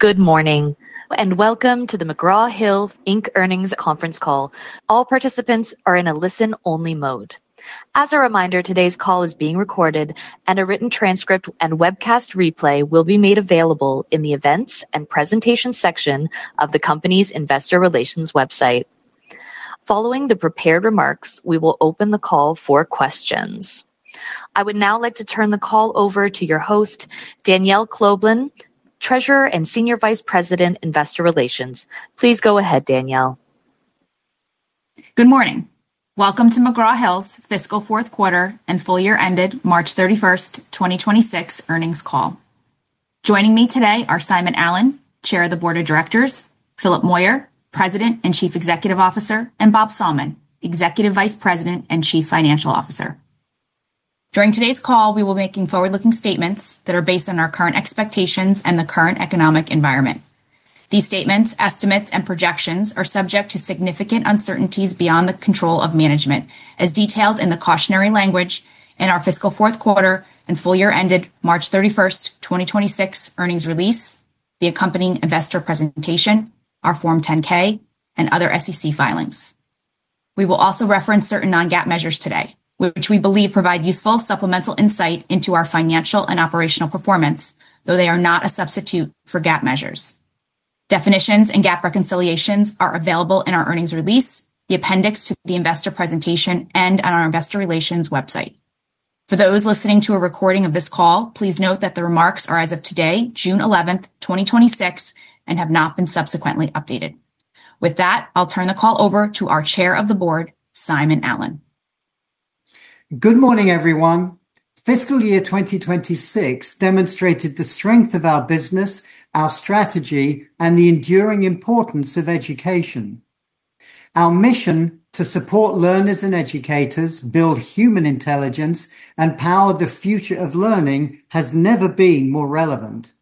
Good morning, and welcome to the McGraw Hill, Inc. earnings conference call. All participants are in a listen-only mode. As a reminder, today's call is being recorded, and a written transcript and webcast replay will be made available in the Events and Presentation section of the company's investor relations website. Following the prepared remarks, we will open the call for questions. I would now like to turn the call over to your host, Danielle Kloeblen, Treasurer and Senior Vice President, Investor Relations. Please go ahead, Danielle. Good morning. Welcome to McGraw Hill's fiscal fourth quarter and full year ended March 31st, 2026, earnings call. Joining me today are Simon Allen, Chair of the Board of Directors, Philip Moyer, President and Chief Executive Officer, and Bob Sallmann, Executive Vice President and Chief Financial Officer. During today's call, we will be making forward-looking statements that are based on our current expectations and the current economic environment. These statements, estimates, and projections are subject to significant uncertainties beyond the control of management, as detailed in the cautionary language in our fiscal fourth quarter and full year ended March 31st, 2026, earnings release, the accompanying investor presentation, our Form 10-K and other SEC filings. We will also reference certain non-GAAP measures today, which we believe provide useful supplemental insight into our financial and operational performance, though they are not a substitute for GAAP measures. Definitions and GAAP reconciliations are available in our earnings release, the appendix to the investor presentation, and on our investor relations website. For those listening to a recording of this call, please note that the remarks are as of today, June 11th, 2026, and have not been subsequently updated. With that, I'll turn the call over to our Chair of the Board, Simon Allen. Good morning, everyone. Fiscal year 2026 demonstrated the strength of our business, our strategy, and the enduring importance of education. Our mission to support learners and educators, build human intelligence, and power the future of learning has never been more relevant.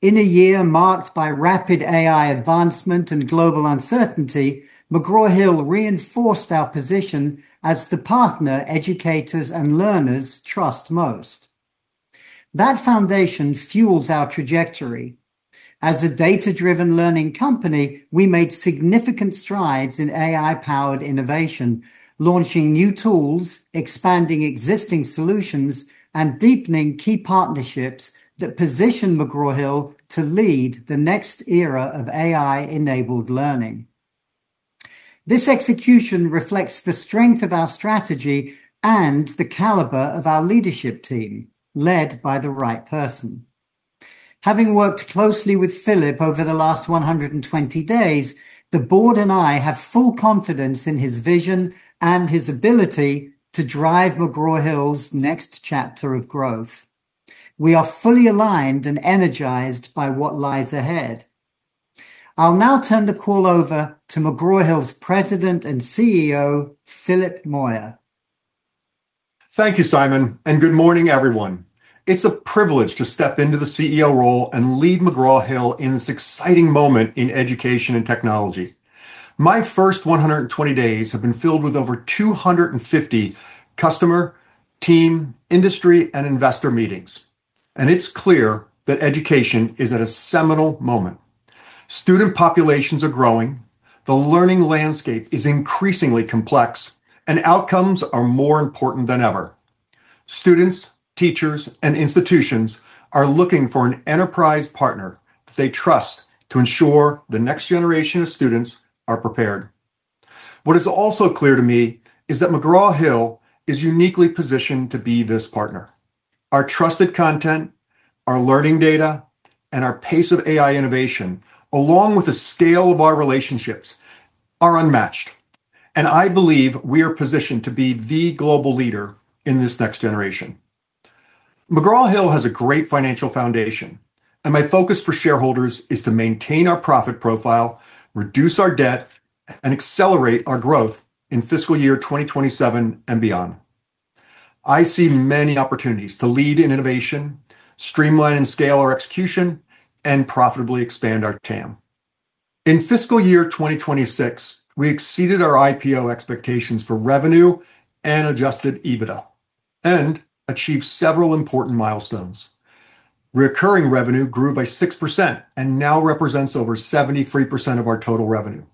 In a year marked by rapid AI advancement and global uncertainty, McGraw Hill reinforced our position as the partner educators and learners trust most. That foundation fuels our trajectory. As a data-driven learning company, we made significant strides in AI-powered innovation, launching new tools, expanding existing solutions, and deepening key partnerships that position McGraw Hill to lead the next era of AI-enabled learning. This execution reflects the strength of our strategy and the caliber of our leadership team, led by the right person. Having worked closely with Philip over the last 120 days, the Board and I have full confidence in his vision and his ability to drive McGraw Hill's next chapter of growth. We are fully aligned and energized by what lies ahead. I'll now turn the call over to McGraw Hill's President and CEO, Philip Moyer. Thank you, Simon. Good morning, everyone. It's a privilege to step into the CEO role and lead McGraw Hill in this exciting moment in education and technology. My first 120 days have been filled with over 250 customer, team, industry, and investor meetings. It's clear that education is at a seminal moment. Student populations are growing, the learning landscape is increasingly complex. Outcomes are more important than ever. Students, teachers, and institutions are looking for an enterprise partner that they trust to ensure the next generation of students are prepared. What is also clear to me is that McGraw Hill is uniquely positioned to be this partner. Our trusted content, our learning data, and our pace of AI innovation, along with the scale of our relationships, are unmatched. I believe we are positioned to be the global leader in this next generation. McGraw Hill has a great financial foundation. My focus for shareholders is to maintain our profit profile, reduce our debt, and accelerate our growth in fiscal year 2027 and beyond. I see many opportunities to lead in innovation, streamline and scale our execution. Profitably expand our TAM. In fiscal year 2026, we exceeded our IPO expectations for revenue and adjusted EBITDA. Achieved several important milestones. Recurring revenue grew by 6% and now represents over 73% of our total revenue.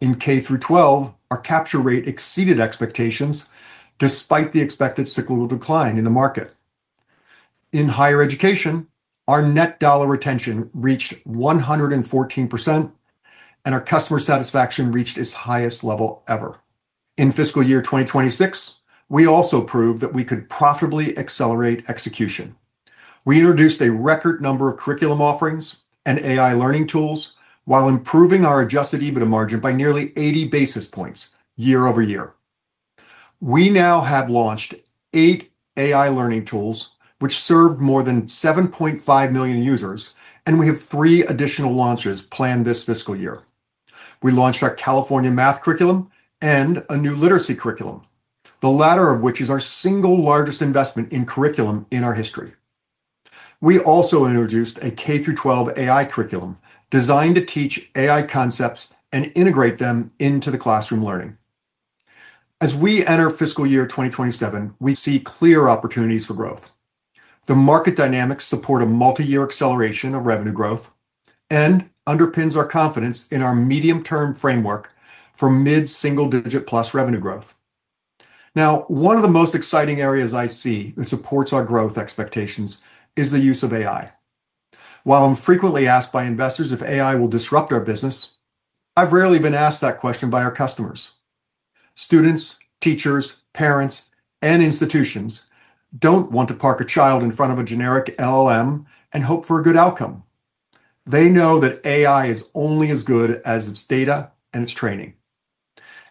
In K through 12, our capture rate exceeded expectations despite the expected cyclical decline in the market. In higher education, our net dollar retention reached 114%. Our customer satisfaction reached its highest level ever. In fiscal year 2026, we also proved that we could profitably accelerate execution. We introduced a record number of curriculum offerings and AI learning tools while improving our adjusted EBITDA margin by nearly 80 basis points year-over-year. We now have launched eight AI learning tools, which serve more than 7.5 million users. We have three additional launches planned this fiscal year. We launched our California math curriculum and a new literacy curriculum, the latter of which is our single largest investment in curriculum in our history. We also introduced a K through 12 AI curriculum designed to teach AI concepts and integrate them into the classroom learning. As we enter fiscal year 2027, we see clear opportunities for growth. The market dynamics support a multi-year acceleration of revenue growth and underpins our confidence in our medium-term framework for mid-single-digit plus revenue growth. One of the most exciting areas I see that supports our growth expectations is the use of AI. While I'm frequently asked by investors if AI will disrupt our business, I've rarely been asked that question by our customers. Students, teachers, parents, and institutions don't want to park a child in front of a generic LLM and hope for a good outcome. They know that AI is only as good as its data and its training.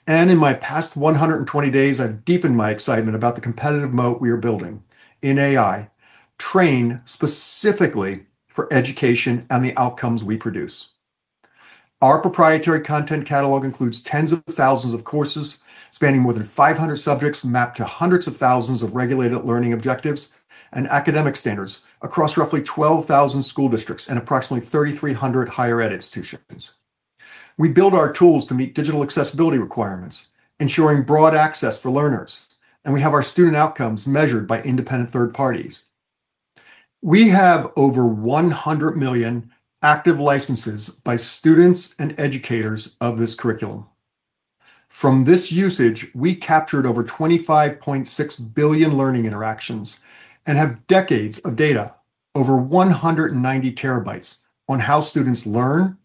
In my past 120 days, I've deepened my excitement about the competitive moat we are building in AI, trained specifically for education and the outcomes we produce. Our proprietary content catalog includes tens of thousands of courses, spanning more than 500 subjects mapped to hundreds of thousands of regulated learning objectives, and academic standards across roughly 12,000 school districts and approximately 3,300 higher ed institutions. We build our tools to meet digital accessibility requirements, ensuring broad access for learners, and we have our student outcomes measured by independent third parties. We have over 100 million active licenses by students and educators of this curriculum. From this usage, we captured over 25.6 billion learning interactions and have decades of data, over 190 TB, on how students learn,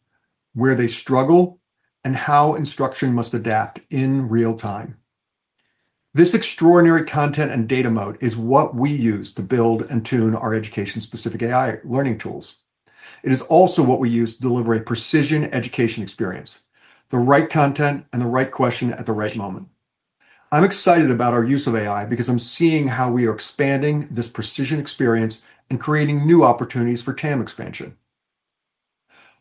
where they struggle, and how instruction must adapt in real time. This extraordinary content and data moat is what we use to build and tune our education-specific AI learning tools. It is also what we use to deliver a precision education experience, the right content, and the right question at the right moment. I'm excited about our use of AI because I'm seeing how we are expanding this precision experience and creating new opportunities for TAM expansion.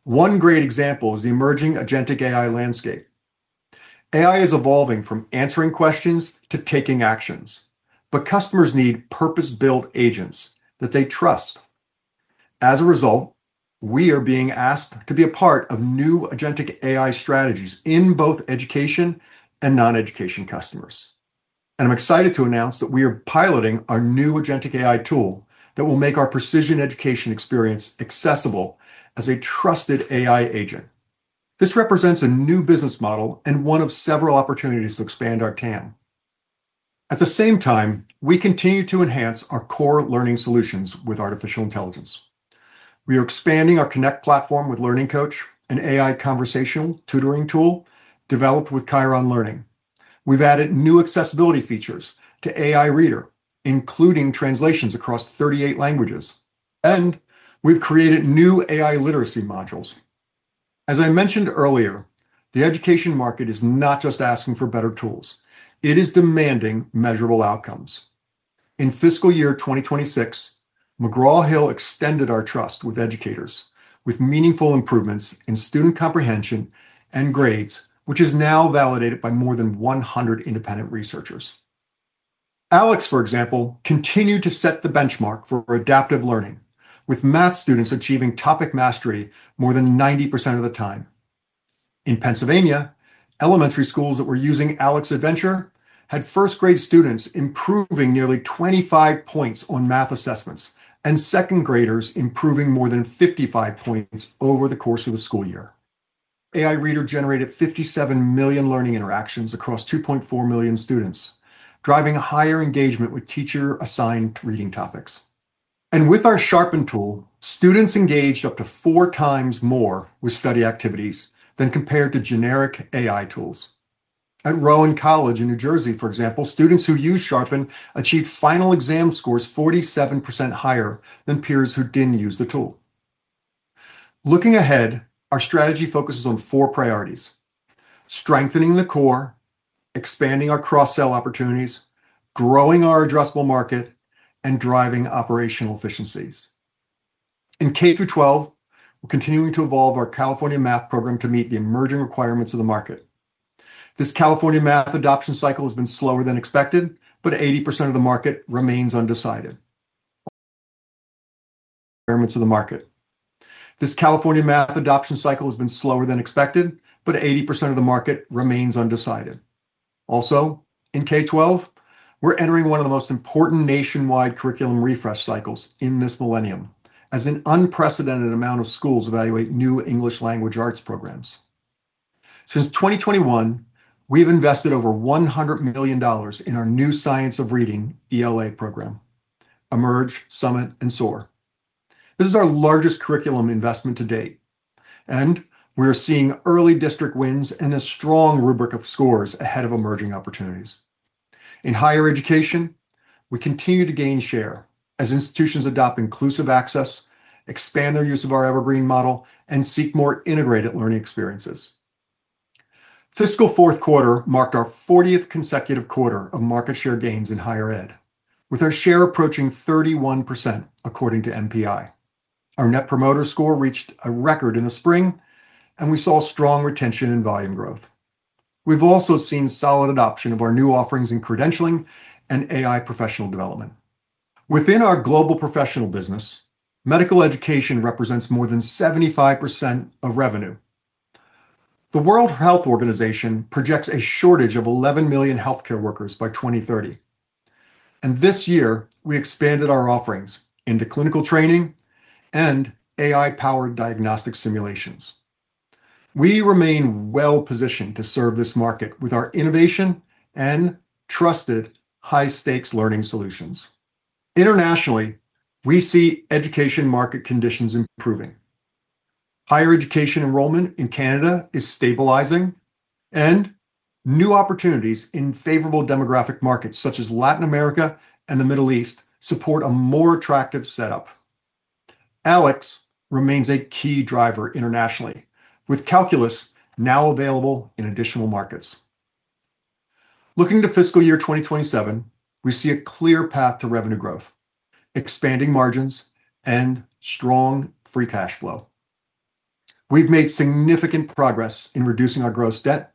One great example is the emerging agentic AI landscape. AI is evolving from answering questions to taking actions, customers need purpose-built agents that they trust. As a result, we are being asked to be a part of new agentic AI strategies in both education and non-education customers. I'm excited to announce that we are piloting our new agentic AI tool that will make our precision education experience accessible as a trusted AI agent. This represents a new business model and one of several opportunities to expand our TAM. At the same time, we continue to enhance our core learning solutions with artificial intelligence. We are expanding our Connect platform with Learning Coach, an AI conversational tutoring tool developed with Kyron Learning. We've added new accessibility features to AI Reader, including translations across 38 languages, and we've created new AI literacy modules. As I mentioned earlier, the education market is not just asking for better tools. It is demanding measurable outcomes. In fiscal year 2026, McGraw Hill extended our trust with educators with meaningful improvements in student comprehension and grades, which is now validated by more than 100 independent researchers. ALEKS, for example, continued to set the benchmark for adaptive learning, with math students achieving topic mastery more than 90% of the time. In Pennsylvania, elementary schools that were using ALEKS Adventure had first-grade students improving nearly 25 points on math assessments, and second graders improving more than 55 points over the course of the school year. AI Reader generated 57 million learning interactions across 2.4 million students, driving a higher engagement with teacher-assigned reading topics. With our Sharpen tool, students engaged up to four times more with study activities than compared to generic AI tools. At Rowan College in New Jersey, for example, students who use Sharpen achieved final exam scores 47% higher than peers who didn't use the tool. Looking ahead, our strategy focuses on four priorities: strengthening the core, expanding our cross-sell opportunities, growing our addressable market, and driving operational efficiencies. In K through 12, we're continuing to evolve our California math program to meet the emerging requirements of the market. This California math adoption cycle has been slower than expected, but 80% of the market remains undecided. Also, in K-12, we're entering one of the most important nationwide curriculum refresh cycles in this millennium, as an unprecedented amount of schools evaluate new English Language Arts programs. Since 2021, we've invested over $100 million in our new science of reading ELA program, Emerge!, Summit!, and Soar!. This is our largest curriculum investment to date, and we are seeing early district wins and a strong rubric of scores ahead of emerging opportunities. In higher education, we continue to gain share as institutions adopt inclusive access, expand their use of our Evergreen model, and seek more integrated learning experiences fiscal fourth quarter marked our 40th consecutive quarter of market share gains in higher ed, with our share approaching 31% according to MPI. Our Net Promoter Score reached a record in the spring, and we saw strong retention and volume growth. We've also seen solid adoption of our new offerings in credentialing and AI professional development. Within our global professional business, medical education represents more than 75% of revenue. The World Health Organization projects a shortage of 11 million healthcare workers by 2030, and this year we expanded our offerings into clinical training and AI-powered diagnostic simulations. We remain well-positioned to serve this market with our innovation and trusted high-stakes learning solutions. Internationally, we see education market conditions improving. Higher education enrollment in Canada is stabilizing, and new opportunities in favorable demographic markets such as Latin America and the Middle East support a more attractive setup. ALEKS remains a key driver internationally, with Calculus now available in additional markets. Looking to fiscal year 2027, we see a clear path to revenue growth, expanding margins, and strong free cash flow. We've made significant progress in reducing our gross debt,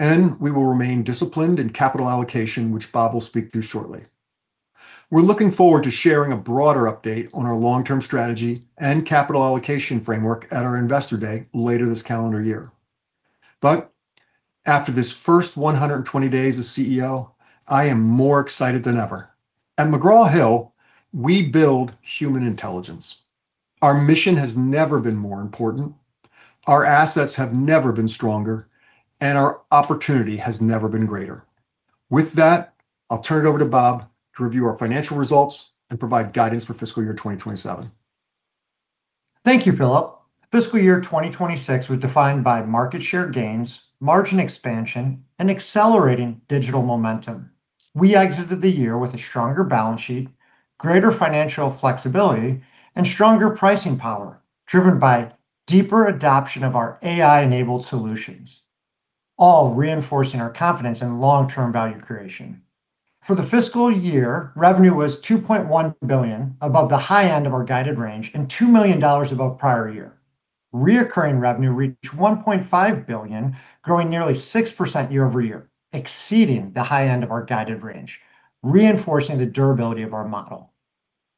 and we will remain disciplined in capital allocation, which Bob will speak to shortly. We're looking forward to sharing a broader update on our long-term strategy and capital allocation framework at our Investor Day later this calendar year. After this first 120 days as CEO, I am more excited than ever. At McGraw Hill, we build human intelligence. Our mission has never been more important, our assets have never been stronger, and our opportunity has never been greater. With that, I'll turn it over to Bob to review our financial results and provide guidance for fiscal year 2027. Thank you, Philip. Fiscal year 2026 was defined by market share gains, margin expansion, and accelerating digital momentum. We exited the year with a stronger balance sheet, greater financial flexibility, and stronger pricing power, driven by deeper adoption of our AI-enabled solutions, all reinforcing our confidence in long-term value creation. For the fiscal year, revenue was $2.1 billion, above the high end of our guided range, and $2 million above prior year. Reoccurring revenue reached $1.5 billion, growing nearly 6% year-over-year, exceeding the high end of our guided range, reinforcing the durability of our model.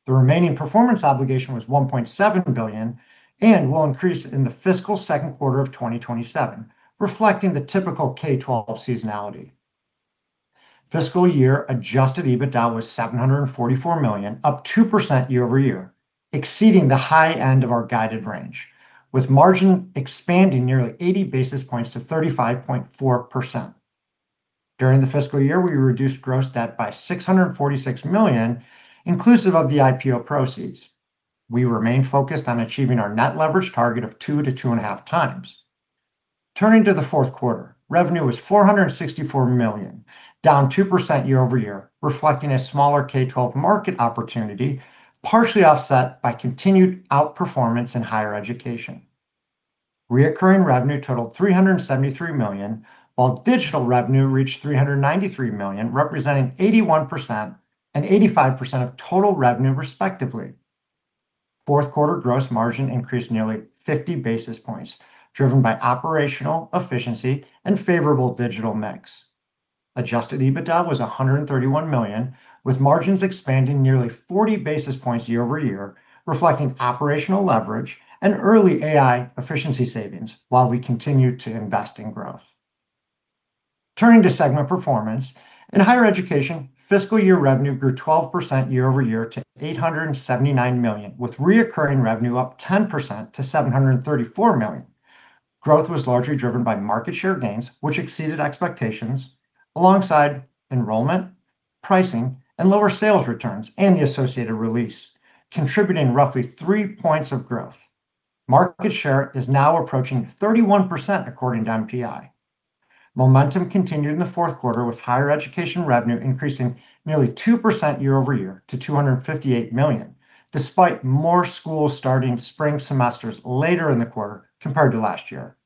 The remaining performance obligation was $1.7 billion and will increase in the fiscal second quarter of 2027, reflecting the typical K-12 seasonality. Fiscal year adjusted EBITDA was $744 million, up 2% year-over-year, exceeding the high end of our guided range, with margin expanding nearly 80 basis points to 35.4%. During the fiscal year, we reduced gross debt by $646 million, inclusive of the IPO proceeds. We remain focused on achieving our net leverage target of 2x to 2.5x. Turning to the fourth quarter, revenue was $464 million, down 2% year-over-year, reflecting a smaller K-12 market opportunity, partially offset by continued outperformance in higher education. Reoccurring revenue totaled $373 million, while digital revenue reached $393 million, representing 81% and 85% of total revenue respectively. Fourth quarter gross margin increased nearly 50 basis points, driven by operational efficiency and favorable digital mix. Adjusted EBITDA was $131 million, with margins expanding nearly 40 basis points year-over-year, reflecting operational leverage and early AI efficiency savings, while we continue to invest in growth. Turning to segment performance. In higher education, fiscal year revenue grew 12% year-over-year to $879 million, with reoccurring revenue up 10% to $734 million. Growth was largely driven by market share gains, which exceeded expectations alongside enrollment, pricing, and lower sales returns, and the associated release, contributing roughly 3 points of growth. Market share is now approaching 31%, according to MPI. Momentum continued in the fourth quarter with higher education revenue increasing nearly 2% year-over-year to $258 million, despite more schools starting spring semesters later in the quarter compared to last year.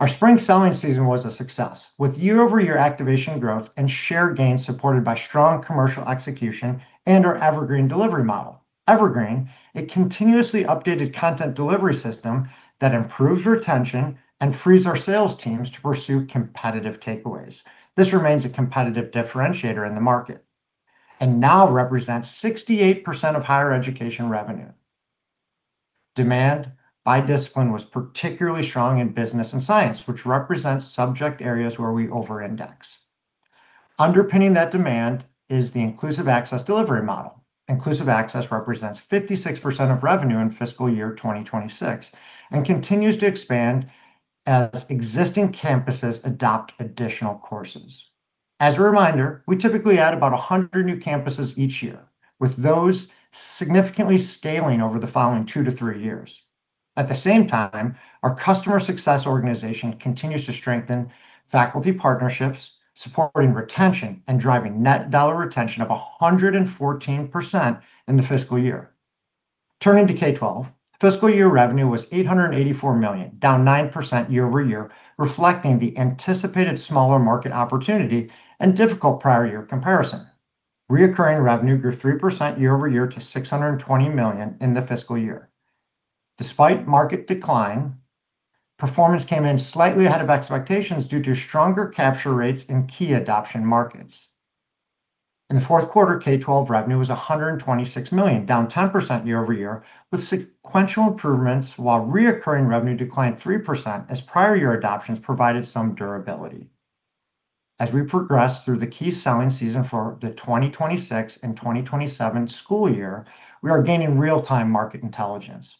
Our spring selling season was a success, with year-over-year activation growth and share gains supported by strong commercial execution and our Evergreen delivery model. Evergreen, a continuously updated content delivery system that improves retention and frees our sales teams to pursue competitive takeaways. This remains a competitive differentiator in the market and now represents 68% of higher education revenue. Demand by discipline was particularly strong in business and science, which represents subject areas where we over-index. Underpinning that demand is the inclusive access delivery model. Inclusive access represents 56% of revenue in fiscal year 2026 and continues to expand as existing campuses adopt additional courses. As a reminder, we typically add about 100 new campuses each year, with those significantly scaling over the following two to three years. At the same time, our customer success organization continues to strengthen faculty partnerships, supporting retention and driving net dollar retention of 114% in the fiscal year. Turning to K-12, fiscal year revenue was $884 million, down 9% year-over-year, reflecting the anticipated smaller market opportunity and difficult prior year comparison. Recurring revenue grew 3% year-over-year to $620 million in the fiscal year. Despite market decline, performance came in slightly ahead of expectations due to stronger capture rates in key adoption markets. In the fourth quarter, K-12 revenue was $126 million, down 10% year-over-year, with sequential improvements while recurring revenue declined 3% as prior year adoptions provided some durability. As we progress through the key selling season for the 2026 and 2027 school year, we are gaining real-time market intelligence.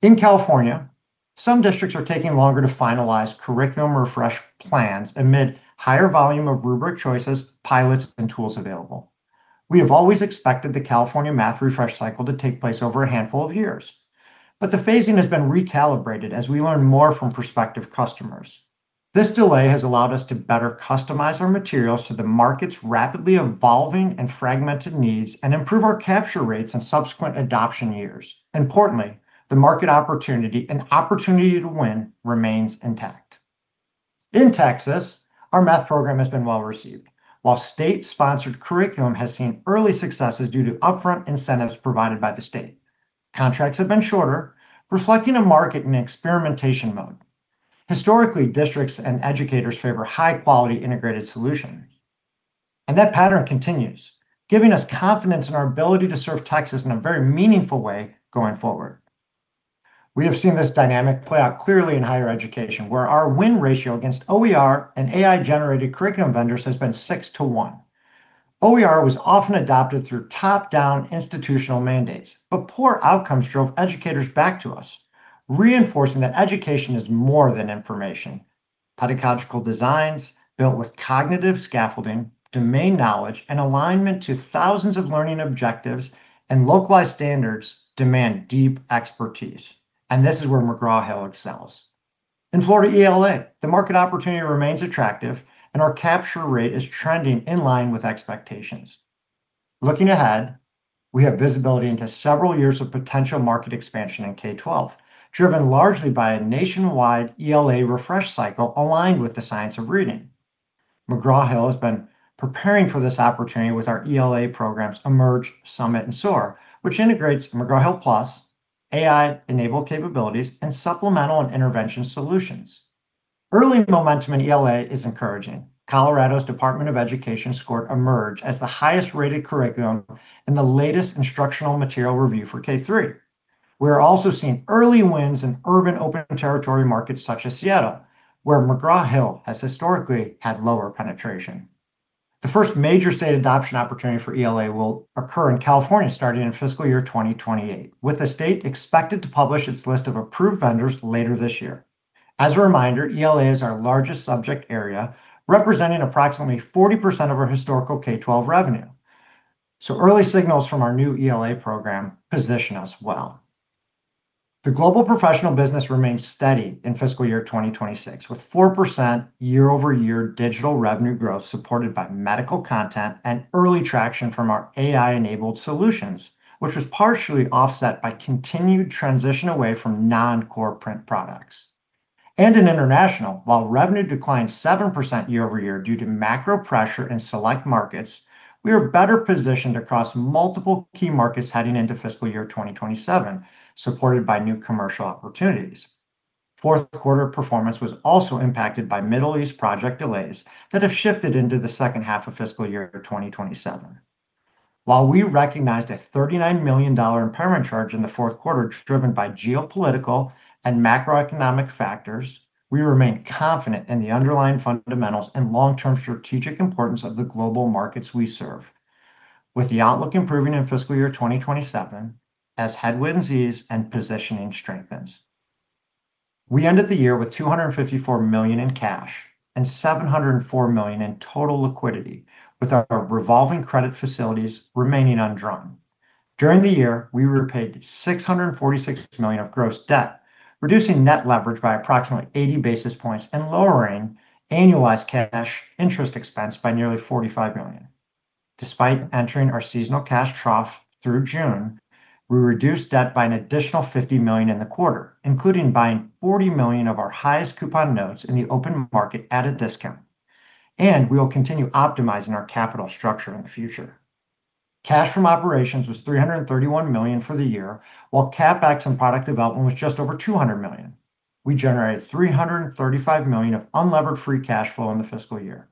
In California, some districts are taking longer to finalize curriculum refresh plans amid higher volume of rubric choices, pilots, and tools available. We have always expected the California math refresh cycle to take place over a handful of years, but the phasing has been recalibrated as we learn more from prospective customers. This delay has allowed us to better customize our materials to the market's rapidly evolving and fragmented needs and improve our capture rates in subsequent adoption years. Importantly, the market opportunity and opportunity to win remains intact. In Texas, our math program has been well-received. While state-sponsored curriculum has seen early successes due to upfront incentives provided by the state, contracts have been shorter, reflecting a market in experimentation mode. Historically, districts and educators favor high-quality integrated solutions, and that pattern continues, giving us confidence in our ability to serve Texas in a very meaningful way going forward. We have seen this dynamic play out clearly in higher education, where our win ratio against OER and AI-generated curriculum vendors has been 6:1. OER was often adopted through top-down institutional mandates, but poor outcomes drove educators back to us, reinforcing that education is more than information. Pedagogical designs built with cognitive scaffolding, domain knowledge, and alignment to thousands of learning objectives and localized standards demand deep expertise, and this is where McGraw Hill excels. In Florida ELA, the market opportunity remains attractive, and our capture rate is trending in line with expectations. Looking ahead, we have visibility into several years of potential market expansion in K-12, driven largely by a nationwide ELA refresh cycle aligned with the science of reading. McGraw Hill has been preparing for this opportunity with our ELA programs Emerge!, Summit!, and Soar!, which integrates McGraw Hill Plus, AI-enabled capabilities, and supplemental and intervention solutions. Early momentum in ELA is encouraging. Colorado's Department of Education scored Emerge! as the highest-rated curriculum in the latest instructional material review for K-3. We're also seeing early wins in urban open territory markets such as Seattle, where McGraw Hill has historically had lower penetration. The first major state adoption opportunity for ELA will occur in California starting in fiscal year 2028, with the state expected to publish its list of approved vendors later this year. As a reminder, ELA is our largest subject area, representing approximately 40% of our historical K-12 revenue. Early signals from our new ELA program position us well. The global professional business remained steady in fiscal year 2026, with 4% year-over-year digital revenue growth supported by medical content and early traction from our AI-enabled solutions, which was partially offset by continued transition away from non-core print products. In international, while revenue declined 7% year-over-year due to macro pressure in select markets, we are better positioned across multiple key markets heading into fiscal year 2027, supported by new commercial opportunities. Fourth quarter performance was also impacted by Middle East project delays that have shifted into the second half of FY 2027. While we recognized a $39 million impairment charge in the fourth quarter driven by geopolitical and macroeconomic factors, we remain confident in the underlying fundamentals and long-term strategic importance of the global markets we serve, with the outlook improving in FY 2027 as headwinds ease and positioning strengthens. We ended the year with $254 million in cash and $704 million in total liquidity, with our revolving credit facilities remaining undrawn. During the year, we repaid $646 million of gross debt, reducing net leverage by approximately 80 basis points and lowering annualized cash interest expense by nearly $45 million. Despite entering our seasonal cash trough through June, we reduced debt by an additional $50 million in the quarter, including buying $40 million of our highest coupon notes in the open market at a discount, we will continue optimizing our capital structure in the future. Cash from operations was $331 million for the year, while CapEx and product development was just over $200 million. We generated $335 million of unlevered free cash flow in the fiscal year.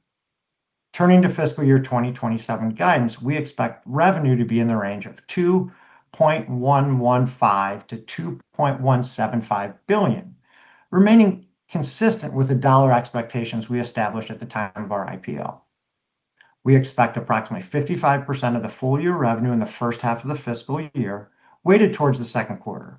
Turning to FY 2027 guidance, we expect revenue to be in the range of $2.115 billion-$2.175 billion, remaining consistent with the dollar expectations we established at the time of our IPO. We expect approximately 55% of the full year revenue in the first half of the fiscal year, weighted towards the second quarter.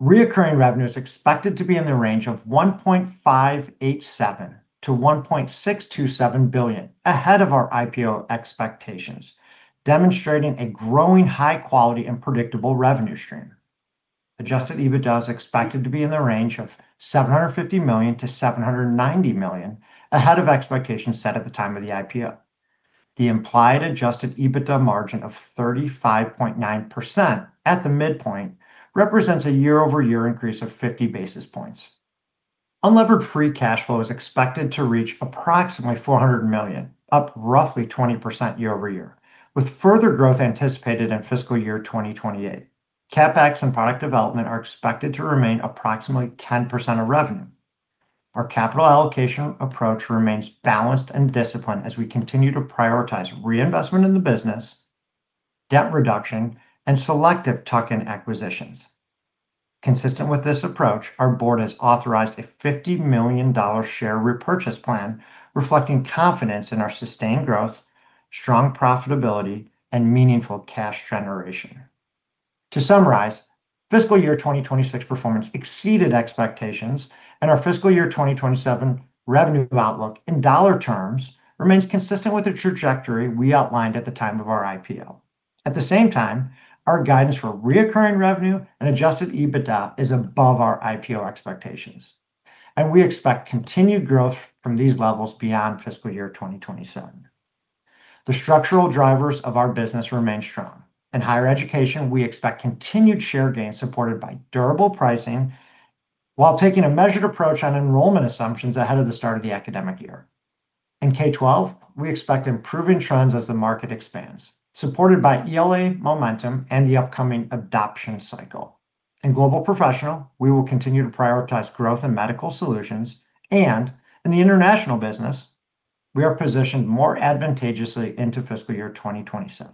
Reoccurring revenue is expected to be in the range of $1.587 billion-$1.627 billion, ahead of our IPO expectations, demonstrating a growing high quality and predictable revenue stream. Adjusted EBITDA is expected to be in the range of $750 million-$790 million, ahead of expectations set at the time of the IPO. The implied adjusted EBITDA margin of 35.9% at the midpoint represents a year-over-year increase of 50 basis points. Unlevered free cash flow is expected to reach approximately $400 million, up roughly 20% year-over-year, with further growth anticipated in FY 2028. CapEx and product development are expected to remain approximately 10% of revenue. Our capital allocation approach remains balanced and disciplined as we continue to prioritize reinvestment in the business, debt reduction, and selective tuck-in acquisitions. Consistent with this approach, our board has authorized a $50 million share repurchase plan reflecting confidence in our sustained growth, strong profitability, and meaningful cash generation. To summarize, FY 2026 performance exceeded expectations, our FY 2027 revenue outlook in dollar terms remains consistent with the trajectory we outlined at the time of our IPO. At the same time, our guidance for reoccurring revenue and adjusted EBITDA is above our IPO expectations, we expect continued growth from these levels beyond FY 2027. The structural drivers of our business remain strong. In higher education, we expect continued share gains supported by durable pricing, while taking a measured approach on enrollment assumptions ahead of the start of the academic year. In K-12, we expect improving trends as the market expands, supported by ELA momentum and the upcoming adoption cycle. In Global Professional, we will continue to prioritize growth in medical solutions, and in the international business, we are positioned more advantageously into fiscal year 2027.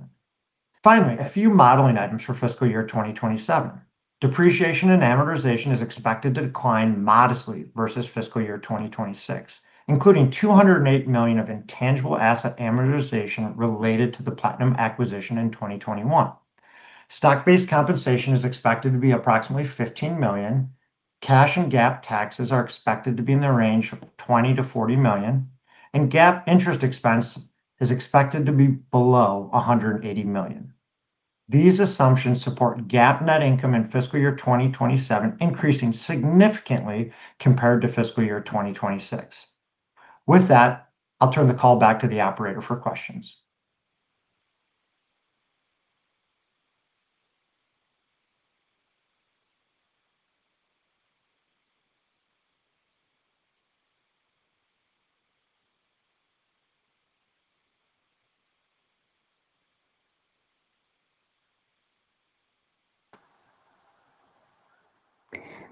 Finally, a few modeling items for fiscal year 2027. Depreciation and amortization is expected to decline modestly versus fiscal year 2026, including $208 million of intangible asset amortization related to the Platinum acquisition in 2021. Stock-based compensation is expected to be approximately $15 million. Cash and GAAP taxes are expected to be in the range of $20 million-$40 million, and GAAP interest expense is expected to be below $180 million. These assumptions support GAAP net income in fiscal year 2027 increasing significantly compared to fiscal year 2026. I'll turn the call back to the operator for questions.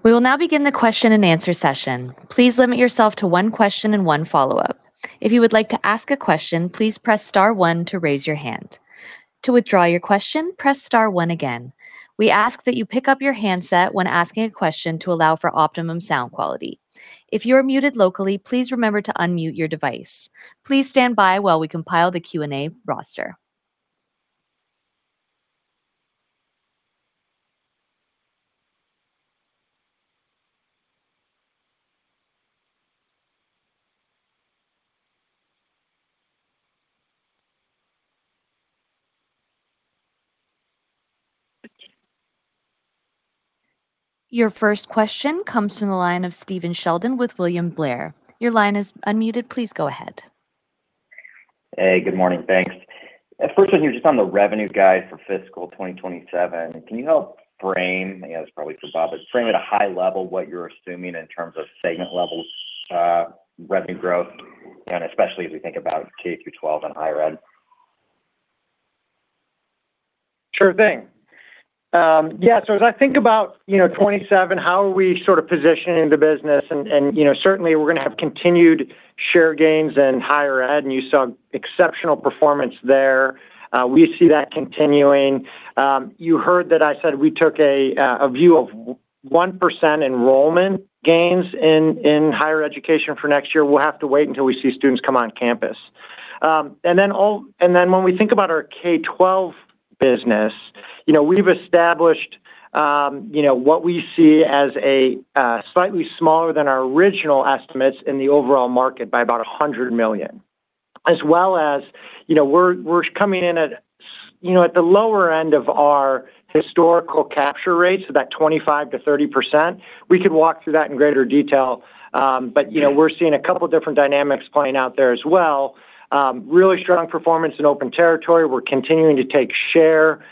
We will now begin the question and answer session. Please limit yourself to one question and one follow-up. If you would like to ask a question, please press star one to raise your hand. To withdraw your question, press star one again. We ask that you pick up your handset when asking a question to allow for optimum sound quality. If you are muted locally, please remember to unmute your device. Please stand by while we compile the Q&A roster. Your first question comes from the line of Stephen Sheldon with William Blair. Your line is unmuted. Please go ahead. Hey, good morning. Thanks. First one here, just on the revenue guide for fiscal 2027, can you help frame, I guess probably for Bob, but frame at a high level what you're assuming in terms of segment levels, revenue growth, and especially as we think about K-12 and higher ed? Sure thing. As I think about 2027, how are we sort of positioning the business, certainly we're going to have continued share gains in higher ed, you saw exceptional performance there. We see that continuing. You heard that I said we took a view of 1% enrollment gains in higher education for next year. We'll have to wait until we see students come on campus. When we think about our K-12 business, we've established what we see as slightly smaller than our original estimates in the overall market by about $100 million. As well as we're coming in at the lower end of our historical capture rates, so that 25%-30%. We could walk through that in greater detail. We're seeing a couple different dynamics playing out there as well. Really strong performance in open territory. We're continuing to take share.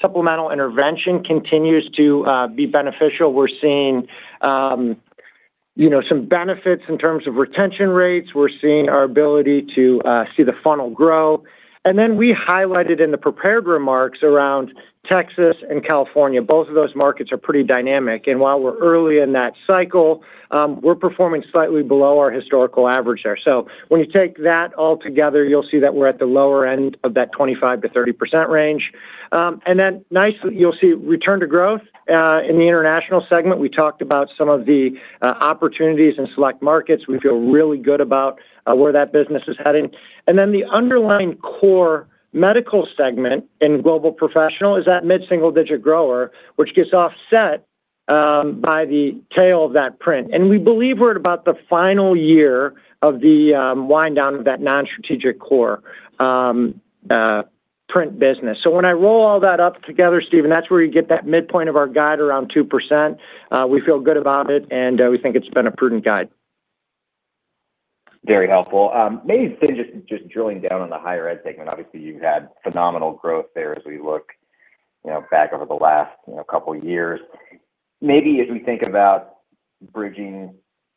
Supplemental intervention continues to be beneficial. We're seeing some benefits in terms of retention rates. We're seeing our ability to see the funnel grow. We highlighted in the prepared remarks around Texas and California, both of those markets are pretty dynamic. While we're early in that cycle, we're performing slightly below our historical average there. When you take that all together, you'll see that we're at the lower end of that 25%-30% range. Nicely, you'll see return to growth in the international segment. We talked about some of the opportunities in select markets. We feel really good about where that business is heading. The underlying core medical segment in Global Professional is that mid-single-digit grower, which gets offset by the tail of that print. We believe we're at about the final year of the wind down of that non-strategic core print business. When I roll all that up together, Stephen, that's where you get that midpoint of our guide around 2%. We feel good about it, and we think it's been a prudent guide. Very helpful. Maybe, just drilling down on the higher ed segment. Obviously, you've had phenomenal growth there as we look back over the last couple of years. Maybe as we think about bridging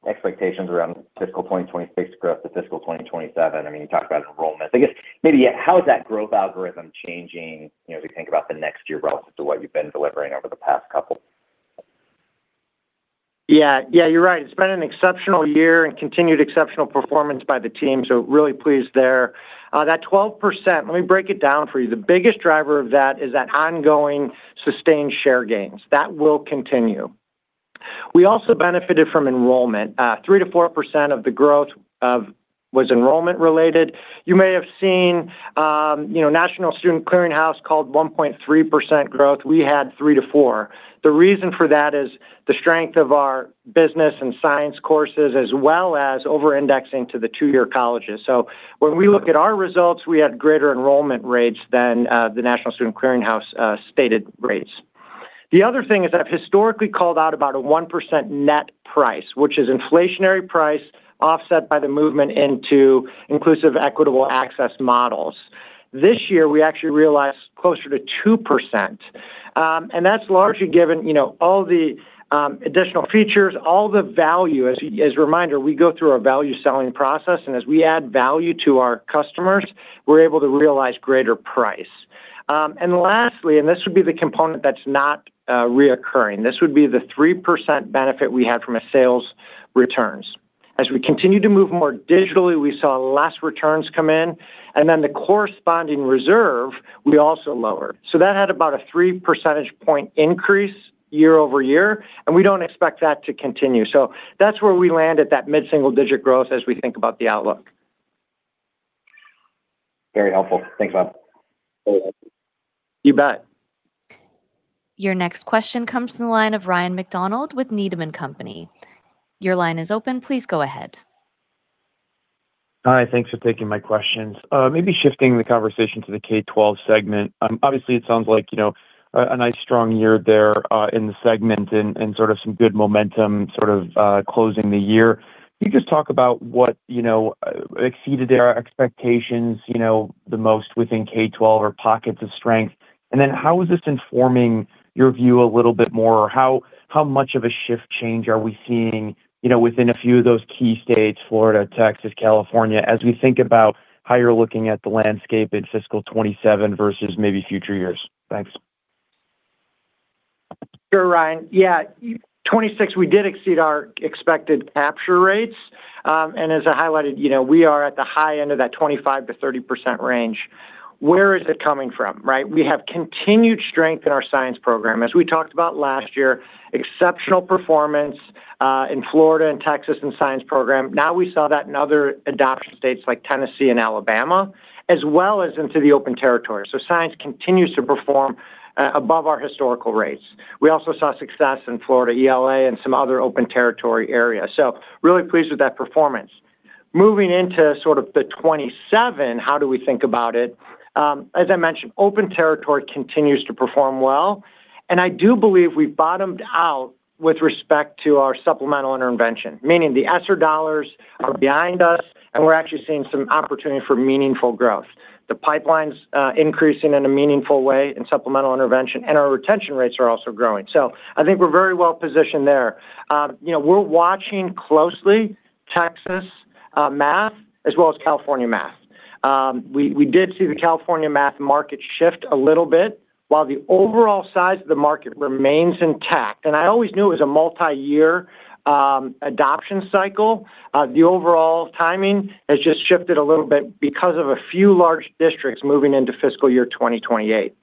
expectations around fiscal 2026 growth to fiscal 2027, you talked about enrollment. I guess maybe how is that growth algorithm changing as we think about the next year relative to what you've been delivering over the past couple? Yeah. You're right. It's been an exceptional year and continued exceptional performance by the team, really pleased there. That 12%, let me break it down for you. The biggest driver of that is that ongoing sustained share gains. That will continue. We also benefited from enrollment. 3%-4% of the growth was enrollment-related. You may have seen National Student Clearinghouse called 1.3% growth. We had 3%-4%. The reason for that is the strength of our business and science courses, as well as over-indexing to the two-year colleges. When we look at our results, we had greater enrollment rates than the National Student Clearinghouse stated rates. The other thing is that I've historically called out about a 1% net price, which is inflationary price offset by the movement into inclusive, equitable access models. This year, we actually realized closer to 2%, that's largely given all the additional features, all the value. As a reminder, we go through our value-selling process, and as we add value to our customers, we're able to realize greater price. Lastly, this would be the component that's not recurring. This would be the 3% benefit we had from a sales returns. As we continue to move more digitally, we saw less returns come in, and then the corresponding reserve, we also lowered. That had about a 3 percentage point increase year-over-year, and we don't expect that to continue. That's where we land at that mid-single-digit growth as we think about the outlook. Very helpful. Thanks, Bob. You bet. Your next question comes from the line of Ryan MacDonald with Needham & Company. Your line is open. Please go ahead. Hi, thanks for taking my questions. Maybe shifting the conversation to the K-12 segment. Obviously, it sounds like a nice strong year there in the segment and some good momentum closing the year. Can you just talk about what exceeded their expectations the most within K-12 or pockets of strength? How is this informing your view a little bit more, or how much of a shift change are we seeing within a few of those key states, Florida, Texas, California, as we think about how you're looking at the landscape in fiscal 2027 versus maybe future years? Thanks. Sure, Ryan. 2026, we did exceed our expected capture rates. As I highlighted, we are at the high end of that 25%-30% range. Where is it coming from, right? We have continued strength in our science program. As we talked about last year, exceptional performance in Florida and Texas in science program. We saw that in other adoption states like Tennessee and Alabama, as well as into the open territory. Science continues to perform above our historical rates. We also saw success in Florida ELA and some other open territory areas. Really pleased with that performance. Moving into the 2027, how do we think about it? As I mentioned, open territory continues to perform well, and I do believe we've bottomed out with respect to our supplemental intervention, meaning the ESSER dollars are behind us, and we're actually seeing some opportunity for meaningful growth. The pipeline's increasing in a meaningful way in supplemental intervention, and our retention rates are also growing. I think we're very well-positioned there. We're watching closely Texas math as well as California math. We did see the California math market shift a little bit while the overall size of the market remains intact. I always knew it was a multi-year adoption cycle. The overall timing has just shifted a little bit because of a few large districts moving into fiscal year 2028.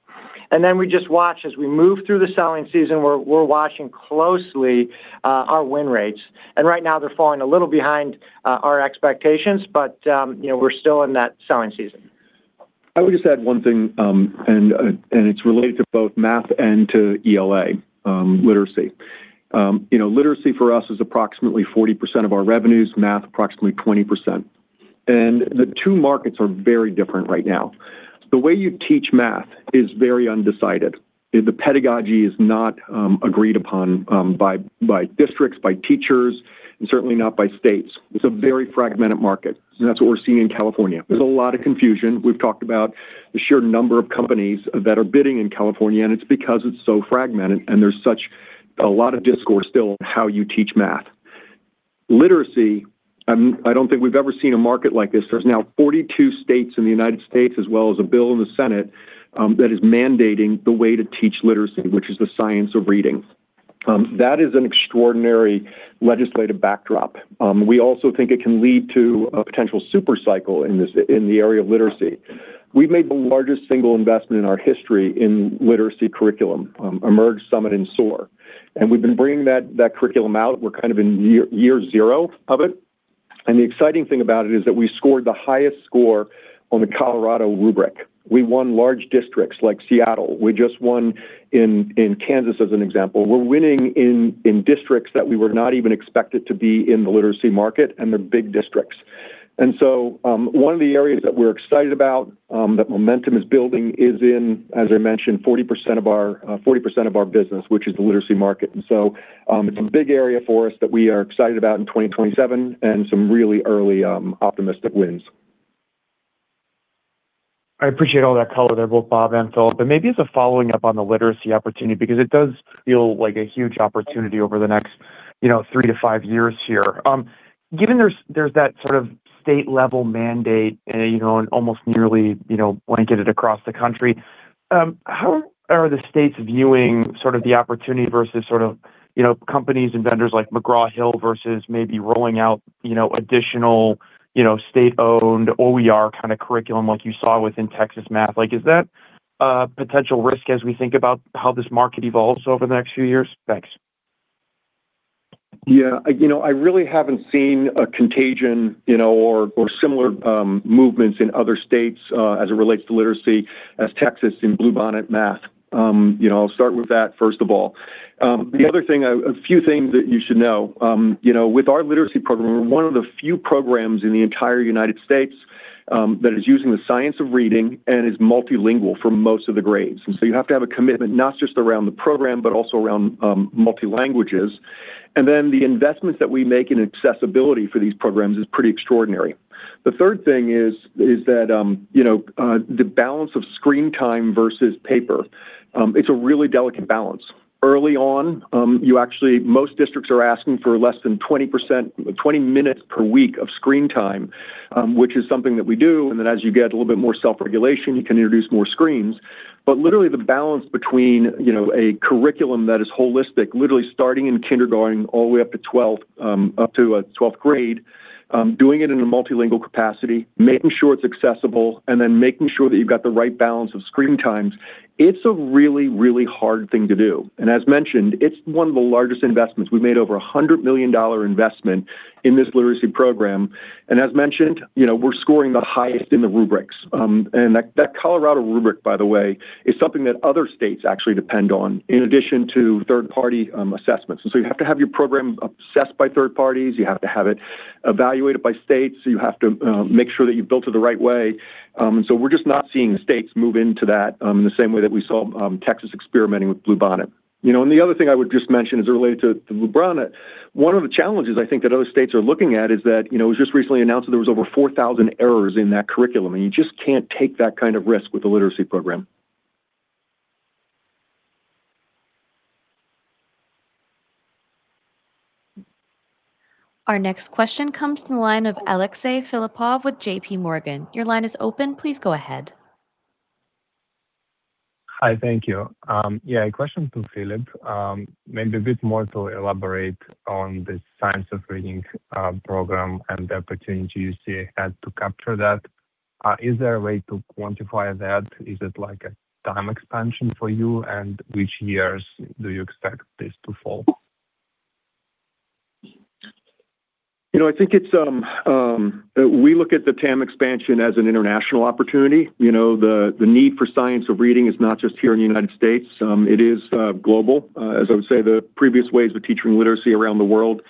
We just watch as we move through the selling season, we're watching closely our win rates. Right now, they're falling a little behind our expectations, but we're still in that selling season. I would just add one thing. It's related to both math and to ELA literacy. Literacy for us is approximately 40% of our revenues, math approximately 20%. The two markets are very different right now. The way you teach math is very undecided. The pedagogy is not agreed upon by districts, by teachers, and certainly not by states. It's a very fragmented market, and that's what we're seeing in California. There's a lot of confusion. We've talked about the sheer number of companies that are bidding in California, and it's because it's so fragmented, and there's such a lot of discourse still on how you teach math. Literacy, I don't think we've ever seen a market like this. There's now 42 states in the United States, as well as a bill in the Senate that is mandating the way to teach literacy, which is the science of reading. That is an extraordinary legislative backdrop. We also think it can lead to a potential super cycle in the area of literacy. We've made the largest single investment in our history in literacy curriculum, Emerge!, Summit!, and Soar! We've been bringing that curriculum out. We're in year zero of it. The exciting thing about it is that we scored the highest score on the Colorado rubric. We won large districts like Seattle. We just won in Kansas, as an example. We're winning in districts that we were not even expected to be in the literacy market and the big districts. One of the areas that we're excited about that momentum is building is in, as I mentioned, 40% of our business, which is the literacy market. It's a big area for us that we are excited about in 2027 and some really early optimistic wins. I appreciate all that color there, both Bob and Philip. Maybe as a following up on the literacy opportunity, because it does feel like a huge opportunity over the next three to five years here. Given there's that sort of state level mandate and an almost nearly blanketed across the country, how are the states viewing the opportunity versus companies and vendors like McGraw Hill versus maybe rolling out additional state-owned OER kind of curriculum like you saw within Texas math? Is that a potential risk as we think about how this market evolves over the next few years? Thanks. Yeah. I really haven't seen a contagion or similar movements in other states as it relates to literacy as Texas in Bluebonnet Math. I'll start with that, first of all. A few things that you should know. With our literacy program, we're one of the few programs in the entire U.S. that is using the science of reading and is multilingual for most of the grades. You have to have a commitment, not just around the program, but also around multilanguages. The investments that we make in accessibility for these programs is pretty extraordinary. The third thing is that the balance of screen time versus paper. It's a really delicate balance. Early on, most districts are asking for less than 20 minutes per week of screen time, which is something that we do. Then as you get a little bit more self-regulation, you can introduce more screens. But literally the balance between a curriculum that is holistic, literally starting in kindergarten all the way up to 12th grade, doing it in a multilingual capacity, making sure it's accessible, and then making sure that you've got the right balance of screen times, it's a really, really hard thing to do. As mentioned, it's one of the largest investments. We made over a $100 million investment in this literacy program. As mentioned, we're scoring the highest in the rubrics. That Colorado rubric, by the way, is something that other states actually depend on, in addition to third party assessments. You have to have your program obsessed by third parties. You have to have it evaluated by states. You have to make sure that you've built it the right way. We're just not seeing the states move into that in the same way that we saw Texas experimenting with Bluebonnet. The other thing I would just mention is related to Bluebonnet. One of the challenges I think that other states are looking at is that, it was just recently announced that there was over 4,000 errors in that curriculum. You just can't take that kind of risk with a literacy program. Our next question comes from the line of Alexey Philippov with JPMorgan. Your line is open. Please go ahead. Hi. Thank you. Yeah, a question to Philip. Maybe a bit more to elaborate on the science of reading program and the opportunity you see as to capture that. Is there a way to quantify that? Is it like a TAM expansion for you? Which years do you expect this to fall? We look at the TAM expansion as an international opportunity. The need for science of reading is not just here in the United States. It is global. As I would say, the previous ways with teaching literacy around the world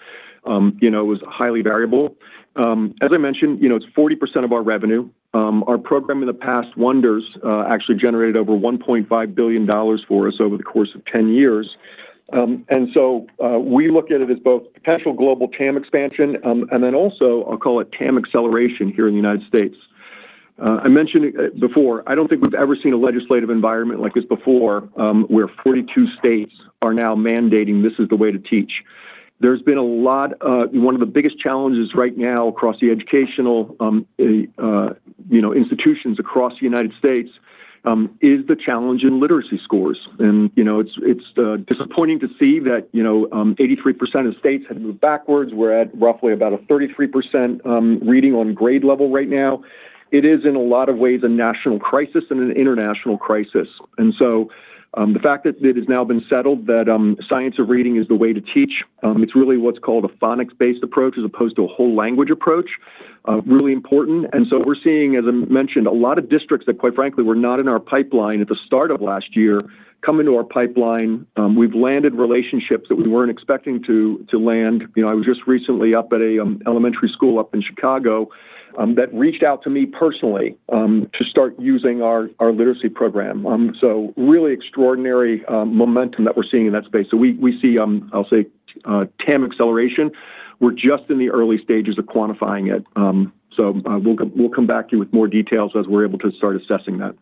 was highly variable. As I mentioned, it's 40% of our revenue. Our program in the past, Wonders, actually generated over $1.5 billion for us over the course of 10 years. We look at it as both potential global TAM expansion, and then also I'll call it TAM acceleration here in the United States. I mentioned it before, I don't think we've ever seen a legislative environment like this before, where 42 states are now mandating this is the way to teach. One of the biggest challenges right now across the educational institutions across the United States is the challenge in literacy scores. It's disappointing to see that 83% of states have moved backwards. We're at roughly about a 33% reading on grade level right now. It is, in a lot of ways, a national crisis and an international crisis. The fact that it has now been settled that science of reading is the way to teach, it's really what's called a phonics-based approach as opposed to a whole language approach, really important. We're seeing, as I mentioned, a lot of districts that quite frankly were not in our pipeline at the start of last year come into our pipeline. We've landed relationships that we weren't expecting to land. I was just recently up at a elementary school up in Chicago that reached out to me personally to start using our literacy program. Really extraordinary momentum that we're seeing in that space. We see, I'll say, TAM acceleration. We're just in the early stages of quantifying it. We'll come back to you with more details as we're able to start assessing that.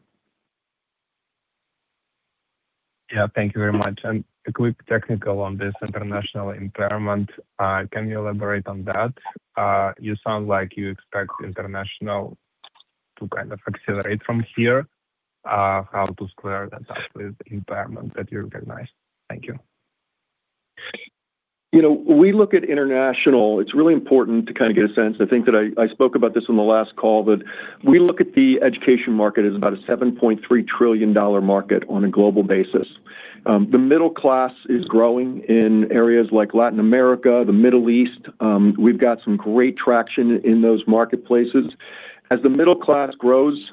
Thank you very much. A quick technical on this international impairment. Can you elaborate on that? You sound like you expect international to kind of accelerate from here. How to square that up with the impairment that you recognized? Thank you. When we look at international, it's really important to kind of get a sense. I think that I spoke about this on the last call. We look at the education market as about a $7.3 trillion market on a global basis. The middle class is growing in areas like Latin America, the Middle East. We've got some great traction in those marketplaces. As the middle class grows,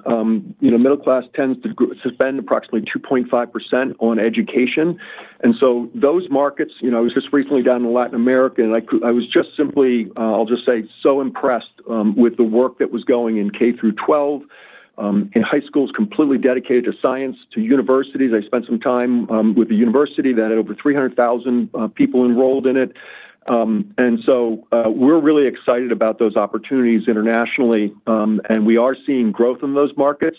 middle class tends to spend approximately 2.5% on education. Those markets, I was just recently down in Latin America. I was just simply, I'll just say, so impressed with the work that was going in K through 12. High schools completely dedicated to science, to universities. I spent some time with a university that had over 300,000 people enrolled in it. We're really excited about those opportunities internationally. We are seeing growth in those markets.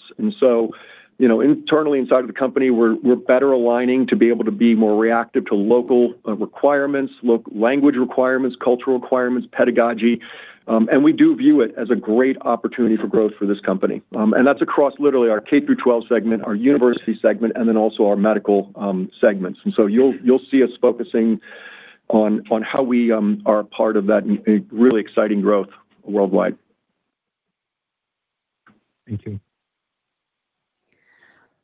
Internally inside of the company, we're better aligning to be able to be more reactive to local requirements, local language requirements, cultural requirements, pedagogy. We do view it as a great opportunity for growth for this company. That's across literally our K through 12 segment, our university segment, our medical segments. You'll see us focusing on how we are a part of that really exciting growth worldwide. Thank you.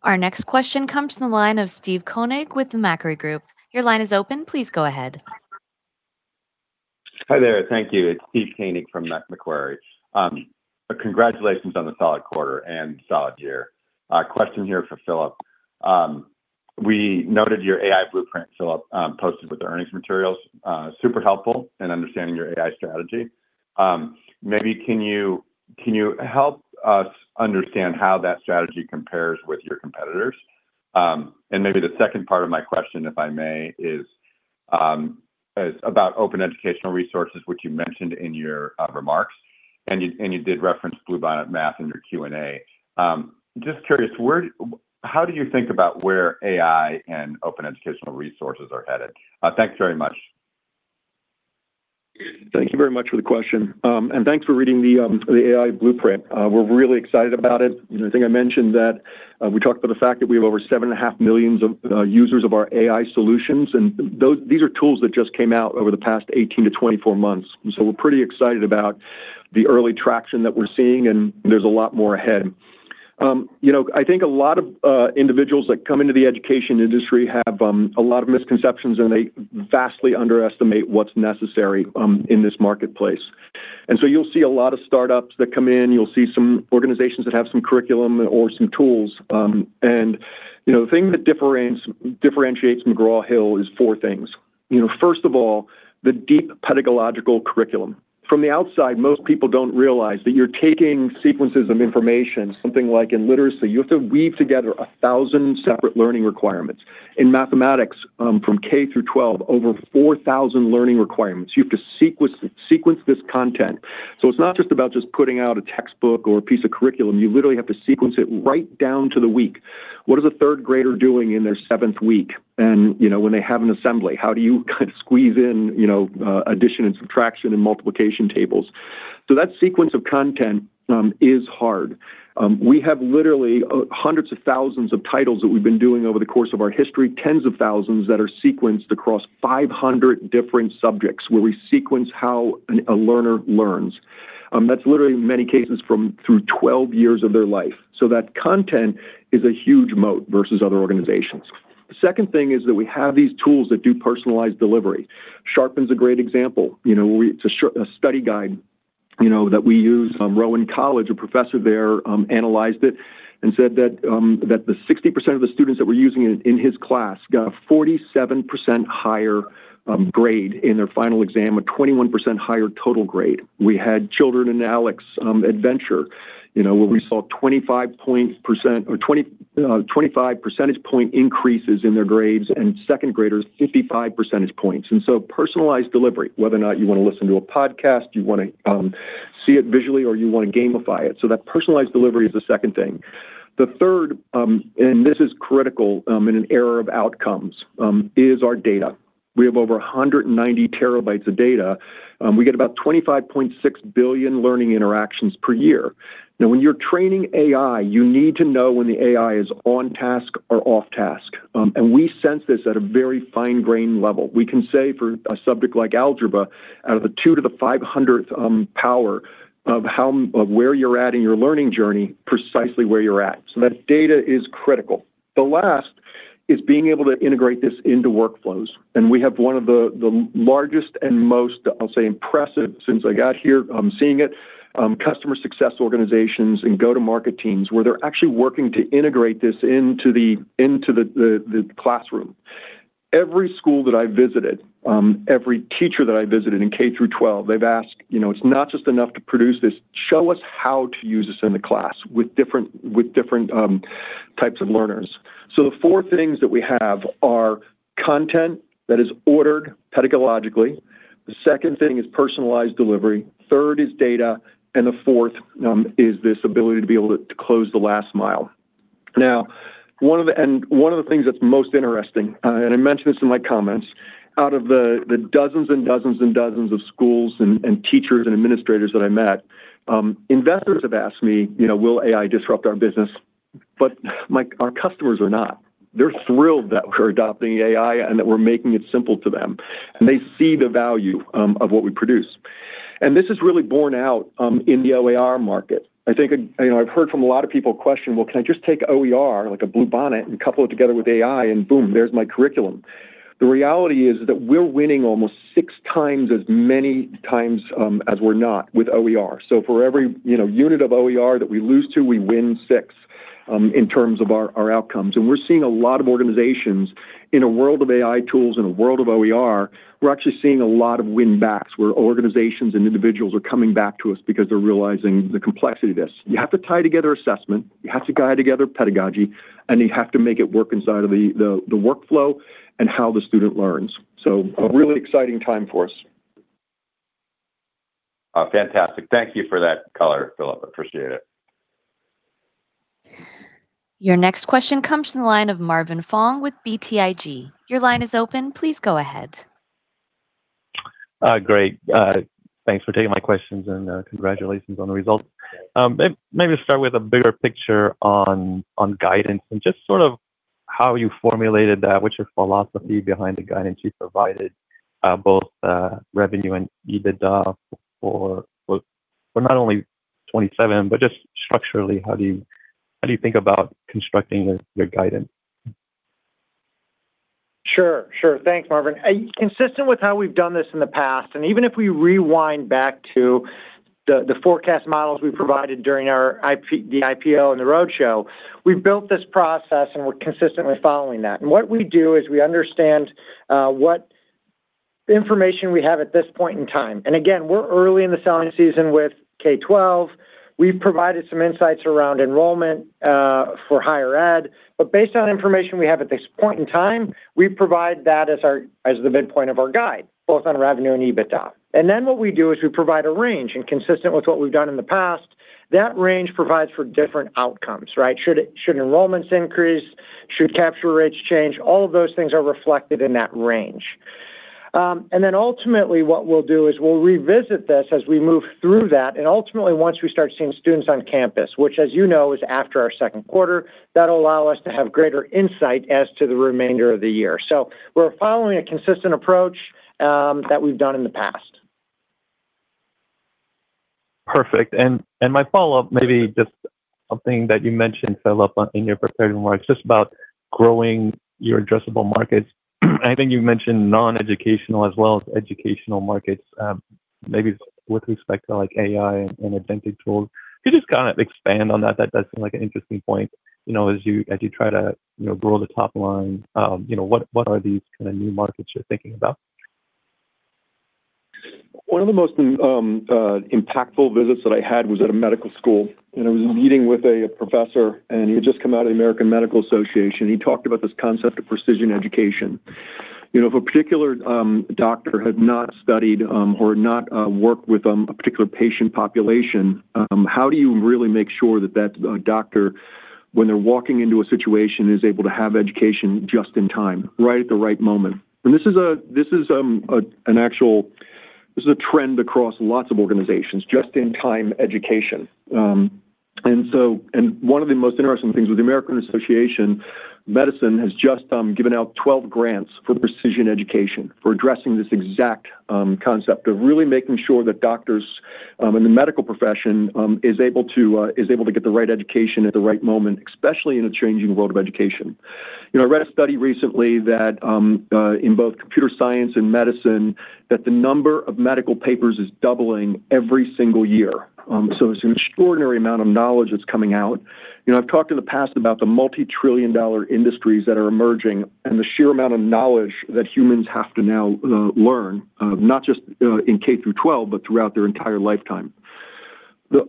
Our next question comes from the line of Steve Koenig with Macquarie Group. Your line is open. Please go ahead. Hi there. Thank you. It's Steve Koenig from Macquarie. Congratulations on the solid quarter and solid year. A question here for Philip. We noted your AI blueprint, Philip, posted with the earnings materials. Super helpful in understanding your AI strategy. Maybe can you help us understand how that strategy compares with your competitors? The second part of my question, if I may, is about open educational resources, which you mentioned in your remarks. You did reference Bluebonnet Math in your Q&A. Just curious, how do you think about where AI and open educational resources are headed? Thanks very much. Thank you very much for the question. Thanks for reading the AI blueprint. We're really excited about it. I think I mentioned that we talked about the fact that we have over 7.5 million users of our AI solutions, and these are tools that just came out over the past 18-24 months. We're pretty excited about the early traction that we're seeing, and there's a lot more ahead. I think a lot of individuals that come into the education industry have a lot of misconceptions, and they vastly underestimate what's necessary in this marketplace. You'll see a lot of startups that come in. You'll see some organizations that have some curriculum or some tools. The thing that differentiates McGraw Hill is four things. First of all, the deep pedagogical curriculum. From the outside, most people don't realize that you're taking sequences of information, something like in literacy, you have to weave together 1,000 separate learning requirements. In mathematics, from K through 12, over 4,000 learning requirements. You have to sequence this content. It's not just about just putting out a textbook or a piece of curriculum. You literally have to sequence it right down to the week. What is a third grader doing in their seventh week? When they have an assembly, how do you kind of squeeze in addition and subtraction and multiplication tables? That sequence of content is hard. We have literally hundreds of thousands of titles that we've been doing over the course of our history, tens of thousands that are sequenced across 500 different subjects where we sequence how a learner learns. That's literally in many cases through 12 years of their life. That content is a huge moat versus other organizations. The second thing is that we have these tools that do personalized delivery. Sharpen's a great example. It's a study guide that we use. Rowan College, a professor there analyzed it and said that the 60% of the students that were using it in his class got a 47% higher grade in their final exam, a 21% higher total grade. We had children in ALEKS Adventure where we saw 25 percentage point increases in their grades, and second graders, 55 percentage points. Personalized delivery, whether or not you want to listen to a podcast, you want to see it visually, or you want to gamify it. That personalized delivery is the second thing. The third, and this is critical in an era of outcomes, is our data. We have over 190 TB of data. We get about 25.6 billion learning interactions per year. Now, when you're training AI, you need to know when the AI is on task or off task. We sense this at a very fine grain level. We can say for a subject like algebra, out of the two to the 500th power of where you're at in your learning journey, precisely where you're at. That data is critical. The last is being able to integrate this into workflows. We have one of the largest and most, I'll say, impressive, since I got here seeing it, customer success organizations and go-to-market teams where they're actually working to integrate this into the classroom. Every school that I visited, every teacher that I visited in K-12, they've asked, "It's not just enough to produce this. Show us how to use this in the class with different types of learners." The four things that we have are content that is ordered pedagogically. The second thing is personalized delivery. Third is data, and the fourth is this ability to be able to close the last mile. One of the things that's most interesting, and I mentioned this in my comments. Out of the dozens and dozens and dozens of schools and teachers and administrators that I met, investors have asked me, "Will AI disrupt our business?" Our customers are not. They're thrilled that we're adopting AI and that we're making it simple to them, and they see the value of what we produce. This is really borne out in the OER market. I've heard from a lot of people question, "Well, can I just take OER, like a Bluebonnet, and couple it together with AI, and boom, there's my curriculum?" The reality is that we're winning almost 6x as many times as we're not with OER. For every unit of OER that we lose to, we win six in terms of our outcomes. We're seeing a lot of organizations in a world of AI tools, in a world of OER, we're actually seeing a lot of win backs where organizations and individuals are coming back to us because they're realizing the complexity of this. You have to tie together assessment, you have to tie together pedagogy, and you have to make it work inside of the workflow and how the student learns a really exciting time for us. Fantastic. Thank you for that color, Philip. Appreciate it. Your next question comes from the line of Marvin Fong with BTIG. Your line is open. Please go ahead. Great. Thanks for taking my questions. Congratulations on the results. Maybe start with a bigger picture on guidance and just how you formulated that. What's your philosophy behind the guidance you provided, both revenue and EBITDA for not only 2027, but just structurally, how do you think about constructing your guidance? Sure. Thanks, Marvin. Consistent with how we've done this in the past, even if we rewind back to the forecast models we provided during the IPO and the roadshow, we've built this process, we're consistently following that. What we do is we understand what information we have at this point in time. Again, we're early in the selling season with K-12. We've provided some insights around enrollment for higher ed. Based on information we have at this point in time, we provide that as the midpoint of our guide, both on revenue and EBITDA. What we do is we provide a range. Consistent with what we've done in the past, that range provides for different outcomes, right? Should enrollments increase, should capture rates change, all of those things are reflected in that range. Ultimately, what we'll do is we'll revisit this as we move through that, and ultimately, once we start seeing students on campus, which as you know is after our second quarter, that'll allow us to have greater insight as to the remainder of the year. We're following a consistent approach that we've done in the past. Perfect. My follow-up, maybe just something that you mentioned, Philip, in your prepared remarks, just about growing your addressable markets. I think you mentioned non-educational as well as educational markets, maybe with respect to AI and agentic tools. Can you just expand on that? That seems like an interesting point as you try to grow the top line. What are these new markets you're thinking about? One of the most impactful visits that I had was at a medical school, I was meeting with a professor, he had just come out of the American Medical Association. He talked about this concept of precision education. If a particular doctor had not studied or not worked with a particular patient population, how do you really make sure that that doctor, when they're walking into a situation, is able to have education just in time, right at the right moment? This is a trend across lots of organizations, just-in-time education. One of the most interesting things with the American Association, Medicine has just given out 12 grants for precision education for addressing this exact concept of really making sure that doctors in the medical profession is able to get the right education at the right moment, especially in a changing world of education. I read a study recently that in both computer science and medicine, that the number of medical papers is doubling every single year. It's an extraordinary amount of knowledge that's coming out. I've talked in the past about the multi-trillion-dollar industries that are emerging and the sheer amount of knowledge that humans have to now learn, not just in K-12, but throughout their entire lifetime.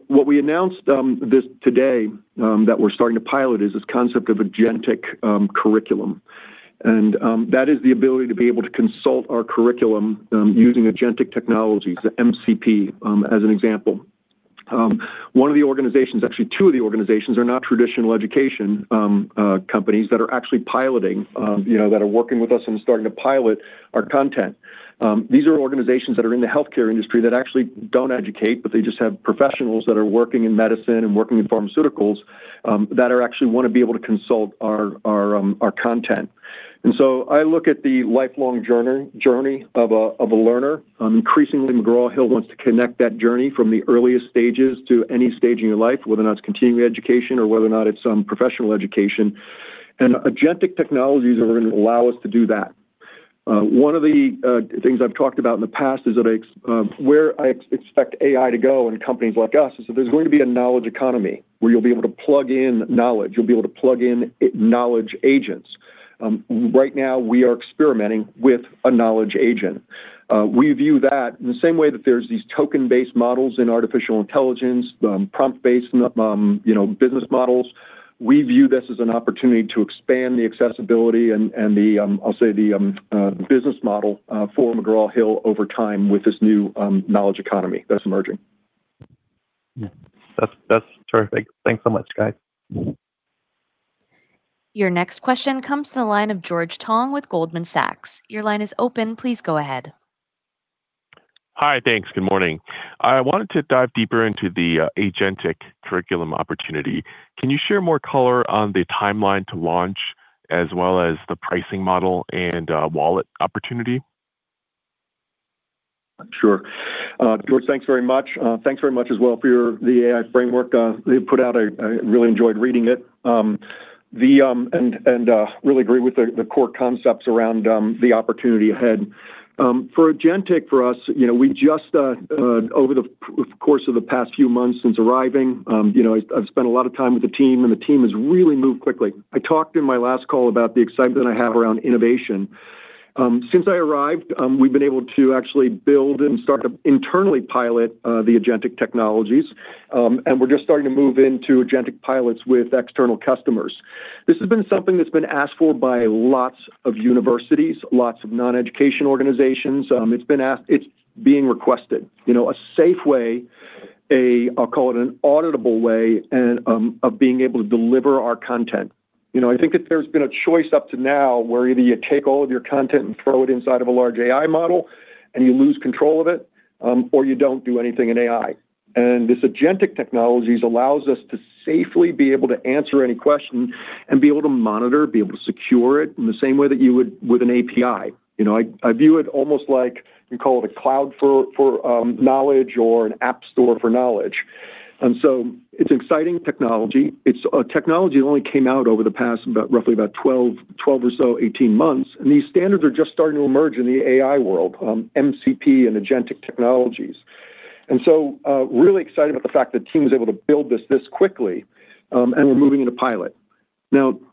What we announced today that we're starting to pilot is this concept of agentic curriculum. That is the ability to be able to consult our curriculum using agentic technologies, MCP as an example. One of the organizations, actually two of the organizations, are not traditional education companies that are working with us and starting to pilot our content. These are organizations that are in the healthcare industry that actually don't educate, but they just have professionals that are working in medicine and working in pharmaceuticals that actually want to be able to consult our content. I look at the lifelong journey of a learner. Increasingly, McGraw Hill wants to connect that journey from the earliest stages to any stage in your life, whether or not it's continuing education or whether or not it's professional education. Agentic technologies are going to allow us to do that. One of the things I've talked about in the past is where I expect AI to go in companies like us is that there's going to be a knowledge economy where you'll be able to plug in knowledge. You'll be able to plug in knowledge agents. Right now, we are experimenting with a knowledge agent. We view that in the same way that there's these token-based models in artificial intelligence, prompt-based business models. We view this as an opportunity to expand the accessibility and I'll say, the business model for McGraw Hill over time with this new knowledge economy that's emerging. That's terrific. Thanks so much, guys. Your next question comes to the line of George Tong with Goldman Sachs. Your line is open. Please go ahead. Hi. Thanks. Good morning. I wanted to dive deeper into the agentic curriculum opportunity. Can you share more color on the timeline to launch as well as the pricing model and wallet opportunity? Sure. George, thanks very much. Thanks very much as well for the AI framework you put out. I really enjoyed reading it. Really agree with the core concepts around the opportunity ahead. For agentic for us, over the course of the past few months since arriving, I've spent a lot of time with the team, and the team has really moved quickly. I talked in my last call about the excitement I have around innovation. Since I arrived, we've been able to actually build and start to internally pilot the agentic technologies, and we're just starting to move into agentic pilots with external customers. This has been something that's been asked for by lots of universities, lots of non-education organizations. It's being requested. A safe way, I'll call it an auditable way, and of being able to deliver our content. I think that there's been a choice up to now where either you take all of your content and throw it inside of a large AI model and you lose control of it, or you don't do anything in AI. This agentic technologies allows us to safely be able to answer any question and be able to monitor, be able to secure it in the same way that you would with an API. I view it almost like you call it a cloud for knowledge or an app store for knowledge. It's exciting technology. It's a technology that only came out over the past, roughly about 12 or so, 18 months. These standards are just starting to emerge in the AI world, MCP and agentic technologies. Really excited about the fact that team was able to build this quickly, and we're moving into pilot.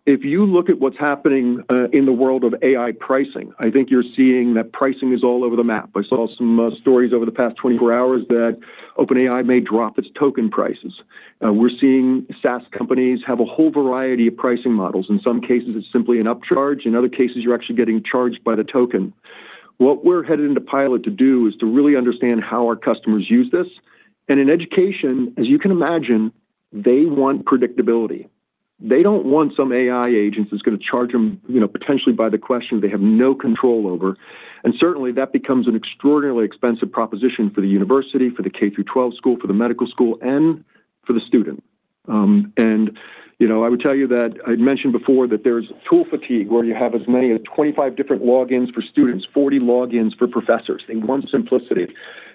If you look at what's happening in the world of AI pricing, I think you're seeing that pricing is all over the map. I saw some stories over the past 24 hours that OpenAI may drop its token prices. We're seeing SaaS companies have a whole variety of pricing models. In some cases, it's simply an upcharge. In other cases, you're actually getting charged by the token. What we're headed into pilot to do is to really understand how our customers use this. In education, as you can imagine, they want predictability. They don't want some AI agent that's going to charge them potentially by the question they have no control over. Certainly, that becomes an extraordinarily expensive proposition for the university, for the K through 12 school, for the medical school, and for the student. I would tell you that I'd mentioned before that there's tool fatigue where you have as many as 25 different logins for students, 40 logins for professors. They want simplicity.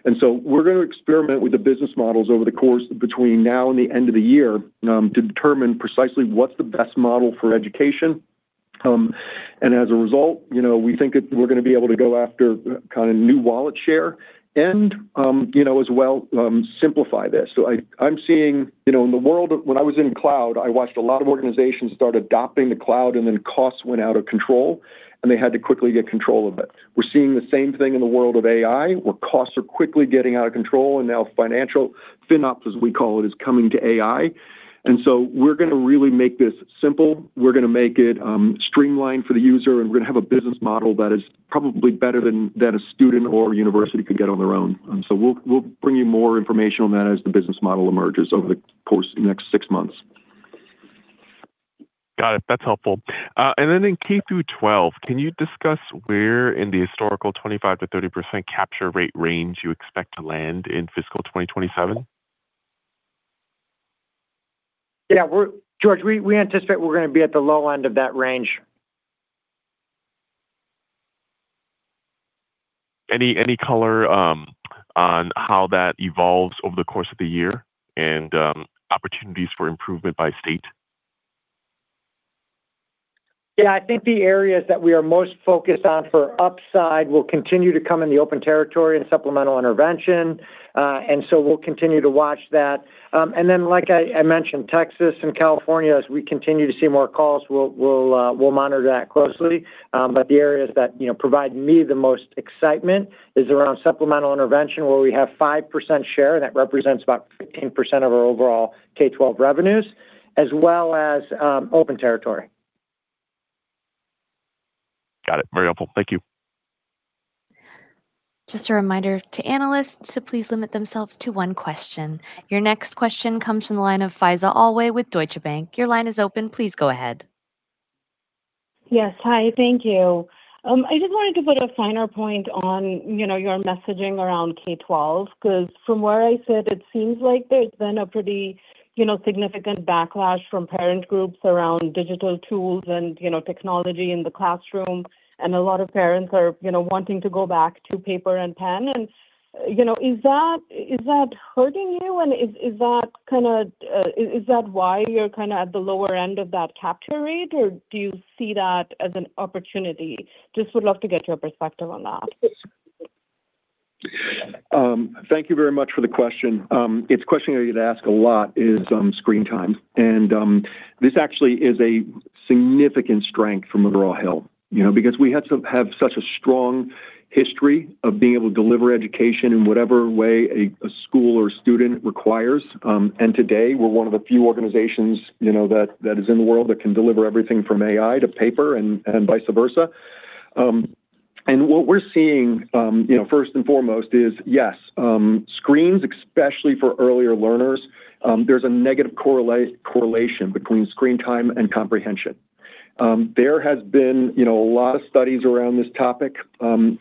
We're going to experiment with the business models over the course of between now and the end of the year to determine precisely what's the best model for education. As a result, we think that we're going to be able to go after new wallet share and, as well, simplify this. I'm seeing in the world when I was in cloud, I watched a lot of organizations start adopting the cloud, and then costs went out of control, and they had to quickly get control of it. We're seeing the same thing in the world of AI, where costs are quickly getting out of control, and now financial, FinOps, as we call it, is coming to AI. We're going to really make this simple. We're going to make it streamlined for the user, and we're going to have a business model that is probably better than that a student or a university could get on their own. We'll bring you more information on that as the business model emerges over the course of the next six months. Got it. That's helpful. Then in K through 12, can you discuss where in the historical 25%-30% capture rate range you expect to land in fiscal 2027? Yeah, George, we anticipate we're going to be at the low end of that range. Any color on how that evolves over the course of the year and opportunities for improvement by state? Yeah, I think the areas that we are most focused on for upside will continue to come in the open territory and supplemental intervention. We'll continue to watch that. Like I mentioned, Texas and California, as we continue to see more calls, we'll monitor that closely. The areas that provide me the most excitement is around supplemental intervention, where we have 5% share, and that represents about 15% of our overall K-12 revenues, as well as open territory. Got it. Very helpful. Thank you. Just a reminder to analysts to please limit themselves to one question. Your next question comes from the line of Faiza Alwy with Deutsche Bank. Your line is open. Please go ahead. Yes. Hi, thank you. I just wanted to put a finer point on your messaging around K-12 because from where I sit, it seems like there's been a pretty significant backlash from parent groups around digital tools and technology in the classroom. A lot of parents are wanting to go back to paper and pen. Is that hurting you? Is that why you're at the lower end of that capture rate, or do you see that as an opportunity? Just would love to get your perspective on that. Thank you very much for the question. It's a question I get asked a lot is screen time. This actually is a significant strength for McGraw Hill because we have such a strong history of being able to deliver education in whatever way a school or student requires. Today we're one of the few organizations that is in the world that can deliver everything from AI to paper and vice versa. What we're seeing, first and foremost is, yes, screens, especially for earlier learners, there's a negative correlation between screen time and comprehension. There has been a lot of studies around this topic. From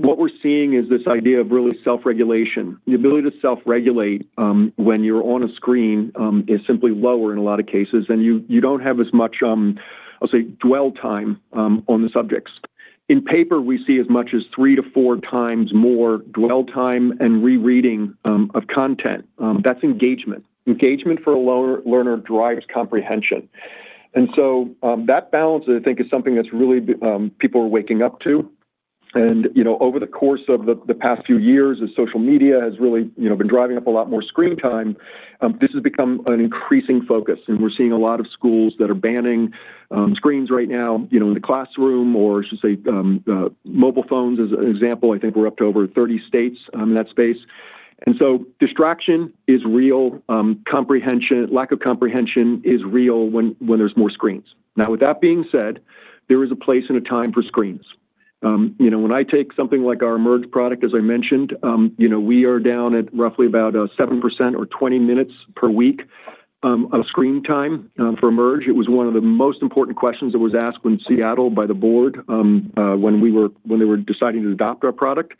what we're seeing is this idea of really self-regulation. The ability to self-regulate when you're on a screen is simply lower in a lot of cases, and you don't have as much I'll say dwell time on the subjects. In paper, we see as much as 3x to 4x more dwell time and rereading of content. That's engagement. Engagement for a learner drives comprehension. That balance, I think, is something that's really people are waking up to. Over the course of the past few years as social media has really been driving up a lot more screen time, this has become an increasing focus, and we're seeing a lot of schools that are banning screens right now in the classroom, or I should say mobile phones as an example. I think we're up to over 30 states in that space. So distraction is real. Lack of comprehension is real when there's more screens. Now, with that being said, there is a place and a time for screens. When I take something like our Emerge! product, as I mentioned, we are down at roughly about 7% or 20 minutes per week of screen time for Emerge!. It was one of the most important questions that was asked in Seattle by the board when they were deciding to adopt our product.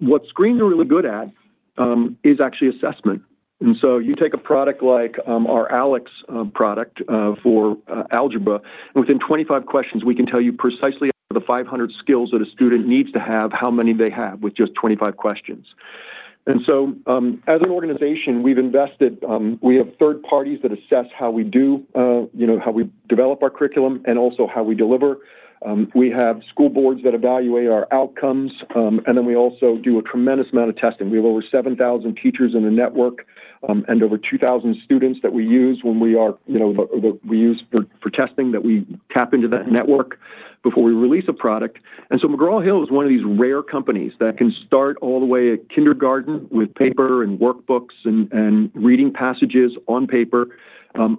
What screens are really good at is actually assessment. You take a product like our ALEKS product for algebra, within 25 questions, we can tell you precisely the 500 skills that a student needs to have, how many they have, with just 25 questions. As an organization, we have third parties that assess how we do, how we develop our curriculum, and also how we deliver. We have school boards that evaluate our outcomes. We also do a tremendous amount of testing. We have over 7,000 teachers in the network, and over 2,000 students that we use for testing, that we tap into that network before we release a product. McGraw Hill is one of these rare companies that can start all the way at kindergarten with paper and workbooks and reading passages on paper,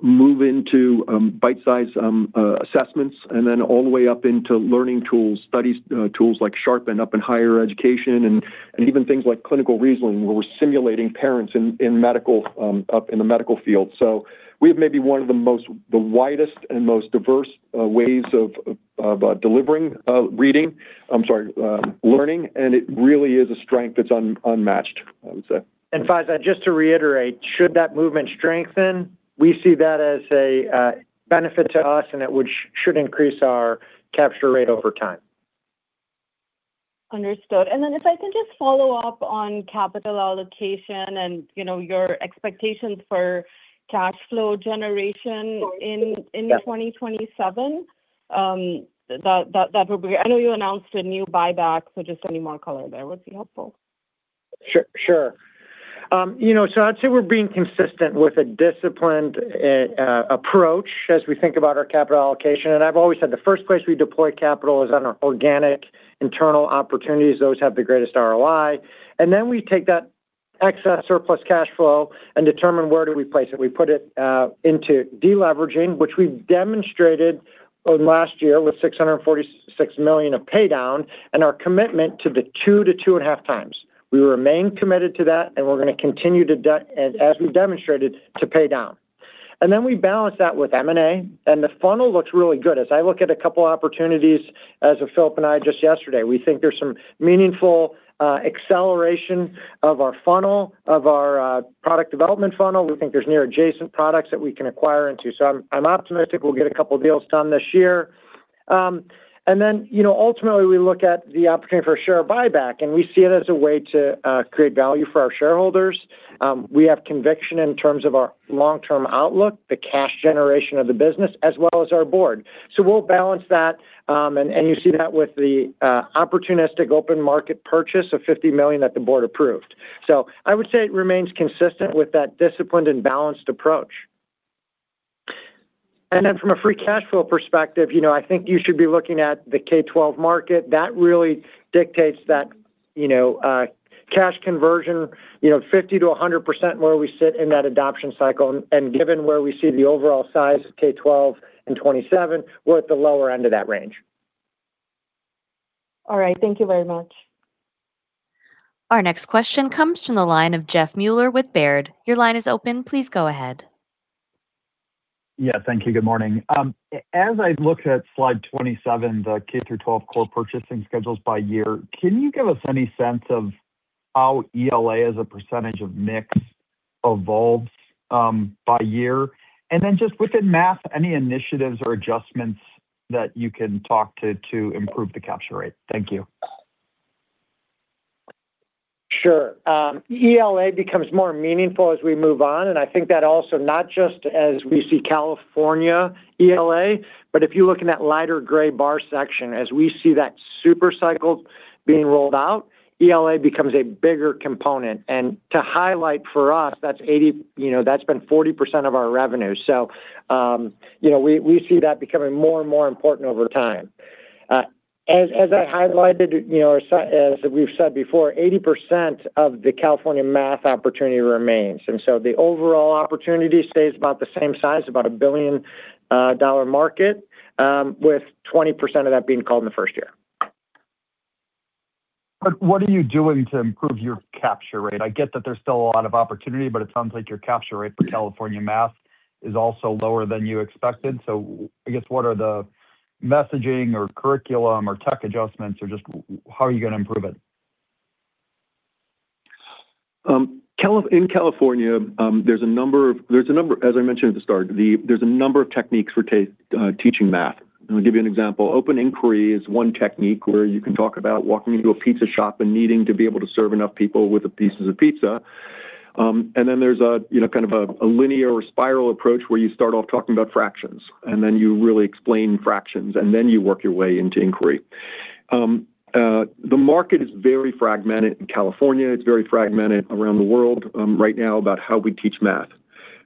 move into bite-size assessments, and then all the way up into learning tools, study tools like Sharpen and up in higher education and even things like Clinical Reasoning, where we're simulating patients up in the medical field. We have maybe one of the widest and most diverse ways of delivering reading-- I'm sorry, learning, and it really is a strength that's unmatched, I would say. Faiza, just to reiterate, should that movement strengthen, we see that as a benefit to us, and it should increase our capture rate over time. Understood. If I can just follow up on capital allocation and your expectations for cash flow generation in 2027. I know you announced a new buyback, so just any more color there would be helpful. Sure. I'd say we're being consistent with a disciplined approach as we think about our capital allocation. I've always said the first place we deploy capital is on our organic internal opportunities. Those have the greatest ROI. We take that excess surplus cash flow and determine where do we place it. We put it into deleveraging, which we've demonstrated last year with $646 million of pay down and our commitment to the 2x to 2.5x. We remain committed to that, and we're going to continue, as we demonstrated, to pay down. We balance that with M&A, and the funnel looks really good. As I look at a couple opportunities as of Philip and I just yesterday, we think there's some meaningful acceleration of our funnel, of our product development funnel. We think there's near adjacent products that we can acquire into. I'm optimistic we'll get a couple deals done this year. Ultimately, we look at the opportunity for a share buyback, and we see it as a way to create value for our shareholders. We have conviction in terms of our long-term outlook, the cash generation of the business, as well as our Board. We'll balance that, and you see that with the opportunistic open market purchase of $50 million that the Board approved. I would say it remains consistent with that disciplined and balanced approach. From a free cash flow perspective, I think you should be looking at the K-12 market. That really dictates that cash conversion, 50%-100% where we sit in that adoption cycle, and given where we see the overall size of K-12 in 2027, we're at the lower end of that range. All right. Thank you very much. Our next question comes from the line of Jeff Meuler with Baird. Your line is open. Please go ahead. Yeah, thank you. Good morning. As I looked at slide 27, the K through 12 core purchasing schedules by year, can you give us any sense of how ELA as a percentage of mix evolves by year? Just within math, any initiatives or adjustments that you can talk to improve the capture rate? Thank you. Sure. ELA becomes more meaningful as we move on, I think that also not just as we see California ELA, but if you look in that lighter gray bar section, as we see that super cycle being rolled out, ELA becomes a bigger component. To highlight for us, that's been 40% of our revenue. We see that becoming more and more important over time. As I highlighted, as we've said before, 80% of the California math opportunity remains. The overall opportunity stays about the same size, about a billion-dollar market, with 20% of that being called in the first year. What are you doing to improve your capture rate? I get that there's still a lot of opportunity, but it sounds like your capture rate for California math is also lower than you expected. I guess what are the messaging or curriculum or tech adjustments, or just how are you going to improve it? In California, as I mentioned at the start, there's a number of techniques for teaching math. I'll give you an example. Open inquiry is one technique where you can talk about walking into a pizza shop and needing to be able to serve enough people with the pieces of pizza. There's a linear or spiral approach where you start off talking about fractions, then you really explain fractions, then you work your way into inquiry. The market is very fragmented in California. It's very fragmented around the world right now about how we teach math.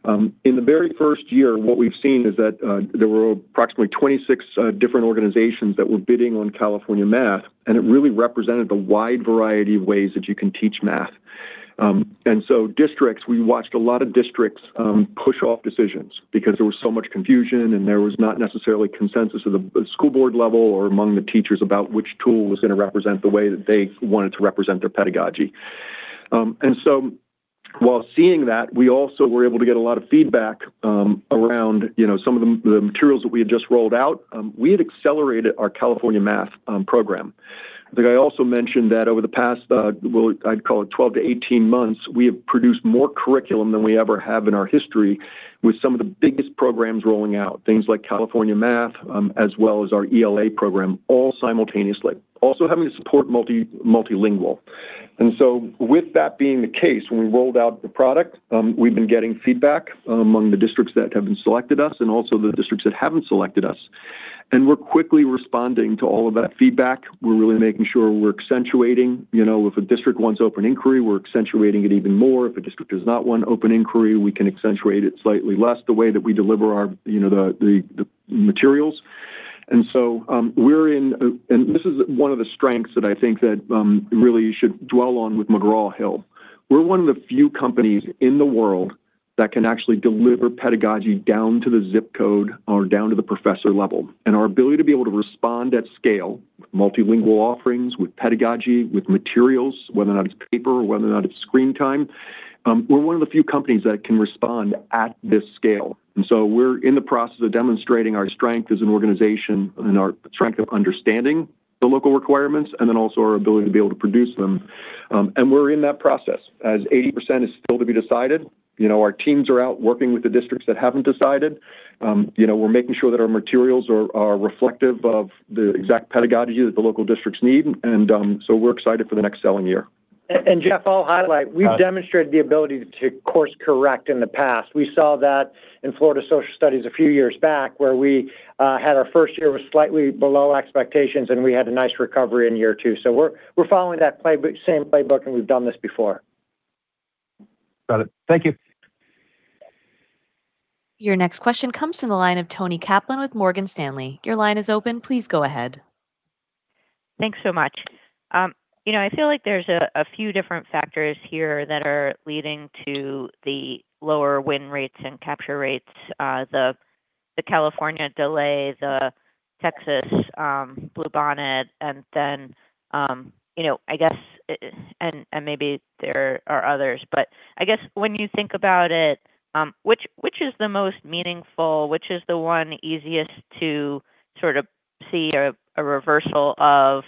In the very first year, what we've seen is that there were approximately 26 different organizations that were bidding on California math, and it really represented a wide variety of ways that you can teach math. Districts, we watched a lot of districts push off decisions because there was so much confusion and there was not necessarily consensus at the school board level or among the teachers about which tool was going to represent the way that they wanted to represent their pedagogy. While seeing that, we also were able to get a lot of feedback around some of the materials that we had just rolled out. We had accelerated our California math program. I think I also mentioned that over the past, I'd call it 12-18 months, we have produced more curriculum than we ever have in our history with some of the biggest programs rolling out. Things like California math, as well as our ELA program, all simultaneously. Also having to support multilingual. With that being the case, when we rolled out the product, we've been getting feedback among the districts that have selected us and also the districts that haven't selected us. We're quickly responding to all of that feedback. We're really making sure we're accentuating. If a district wants open inquiry, we're accentuating it even more. If a district does not want open inquiry, we can accentuate it slightly less, the way that we deliver the materials. This is one of the strengths that I think that really you should dwell on with McGraw Hill. We're one of the few companies in the world that can actually deliver pedagogy down to the zip code or down to the professor level. Our ability to be able to respond at scale, multilingual offerings with pedagogy, with materials, whether or not it's paper, whether or not it's screen time, we're one of the few companies that can respond at this scale. We're in the process of demonstrating our strength as an organization and our strength of understanding the local requirements, and then also our ability to be able to produce them. We're in that process, as 80% is still to be decided. Our teams are out working with the districts that haven't decided. We're making sure that our materials are reflective of the exact pedagogy that the local districts need, and so we're excited for the next selling year. Jeff, I'll highlight, we've demonstrated the ability to course-correct in the past. We saw that in Florida social studies a few years back, where we had our first year was slightly below expectations, and we had a nice recovery in year two. We're following that same playbook, and we've done this before. Got it. Thank you. Your next question comes from the line of Toni Kaplan with Morgan Stanley. Your line is open. Please go ahead. Thanks so much. I feel like there's a few different factors here that are leading to the lower win rates and capture rates. The California delay, the Texas Bluebonnet, maybe there are others. I guess when you think about it, which is the most meaningful, which is the one easiest to sort of see a reversal of?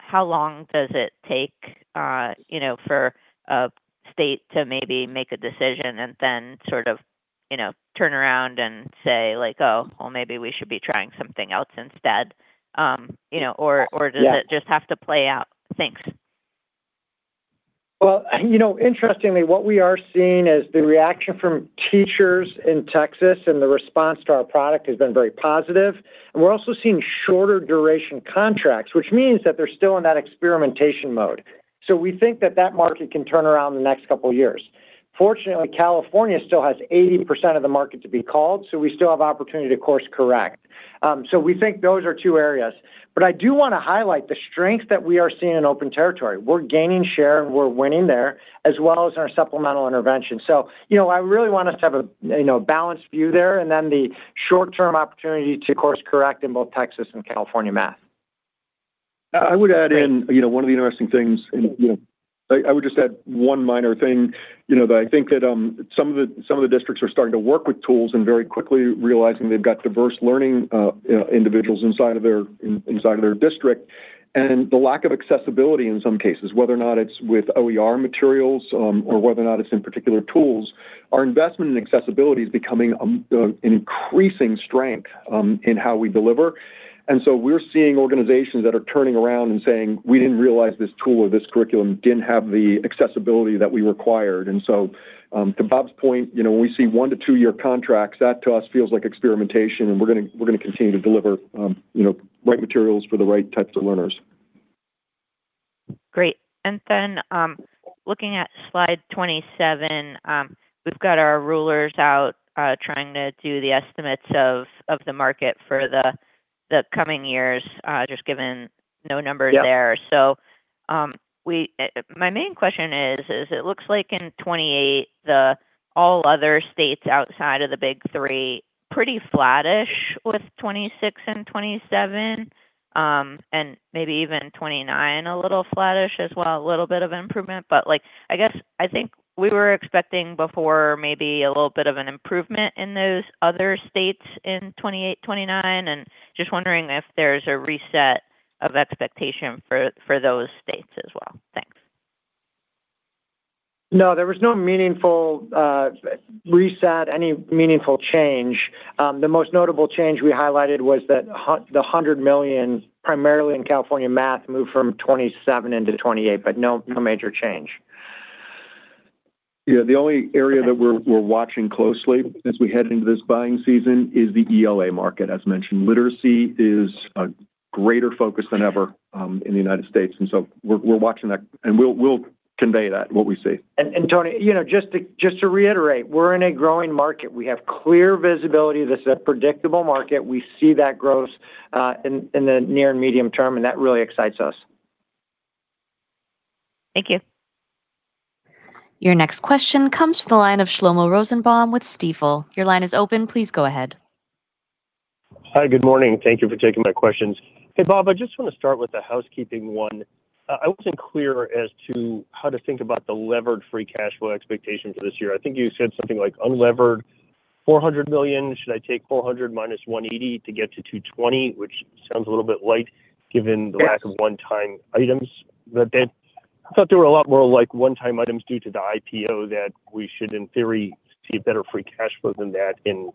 How long does it take for a state to maybe make a decision and then sort of turn around and say, "Oh, well, maybe we should be trying something else instead"? Or does it just have to play out? Thanks. Interestingly, what we are seeing is the reaction from teachers in Texas, The response to our product has been very positive. We're also seeing shorter duration contracts, which means that they're still in that experimentation mode. We think that that market can turn around in the next couple of years. Fortunately, California still has 80% of the market to be called, We still have opportunity to course-correct. We think those are two areas. I do want to highlight the strength that we are seeing in Open Territory. We're gaining share, we're winning there, as well as our supplemental intervention. I really want us to have a balanced view there, and then the short-term opportunity to course-correct in both Texas and California math. I would add in one of the interesting things, I would just add one minor thing, that I think that some of the districts are starting to work with tools and very quickly realizing they've got diverse learning individuals inside of their district. The lack of accessibility in some cases, whether or not it's with OER materials, or whether or not it's in particular tools. Our investment in accessibility is becoming an increasing strength in how we deliver. We're seeing organizations that are turning around and saying, "We didn't realize this tool or this curriculum didn't have the accessibility that we required." To Bob's point, when we see one to two-year contracts, that to us feels like experimentation, We're going to continue to deliver right materials for the right types of learners. Great. Looking at slide 27, we've got our rulers out trying to do the estimates of the market for the coming years, just given no numbers there. Yeah. My main question is, it looks like in 2028, all other states outside of the big three, pretty flattish with 2026 and 2027, maybe even 2029 a little flattish as well, a little bit of improvement. I guess, I think we were expecting before maybe a little bit of an improvement in those other states in 2028, 2029, and just wondering if there's a reset of expectation for those states as well. Thanks. No, there was no meaningful reset, any meaningful change. The most notable change we highlighted was that the $100 million, primarily in California math, moved from 2027 into 2028, no major change. Yeah, the only area that we're watching closely as we head into this buying season is the ELA market. As mentioned, literacy is a greater focus than ever in the U.S., we're watching that. We will convey that, what we see. Toni, just to reiterate, we're in a growing market. We have clear visibility. This is a predictable market. We see that growth in the near and medium term, that really excites us. Thank you. Your next question comes from the line of Shlomo Rosenbaum with Stifel. Your line is open. Please go ahead. Hi. Good morning. Thank you for taking my questions. Hey, Bob, I just want to start with the housekeeping one. I wasn't clear as to how to think about the levered free cash flow expectation for this year. I think you said something like unlevered $400 million. Should I take $400-$180 to get to $220, which sounds a little bit light given the lack- Yes of one-time items. I thought there were a lot more one-time items due to the IPO that we should, in theory, see better free cash flow than that in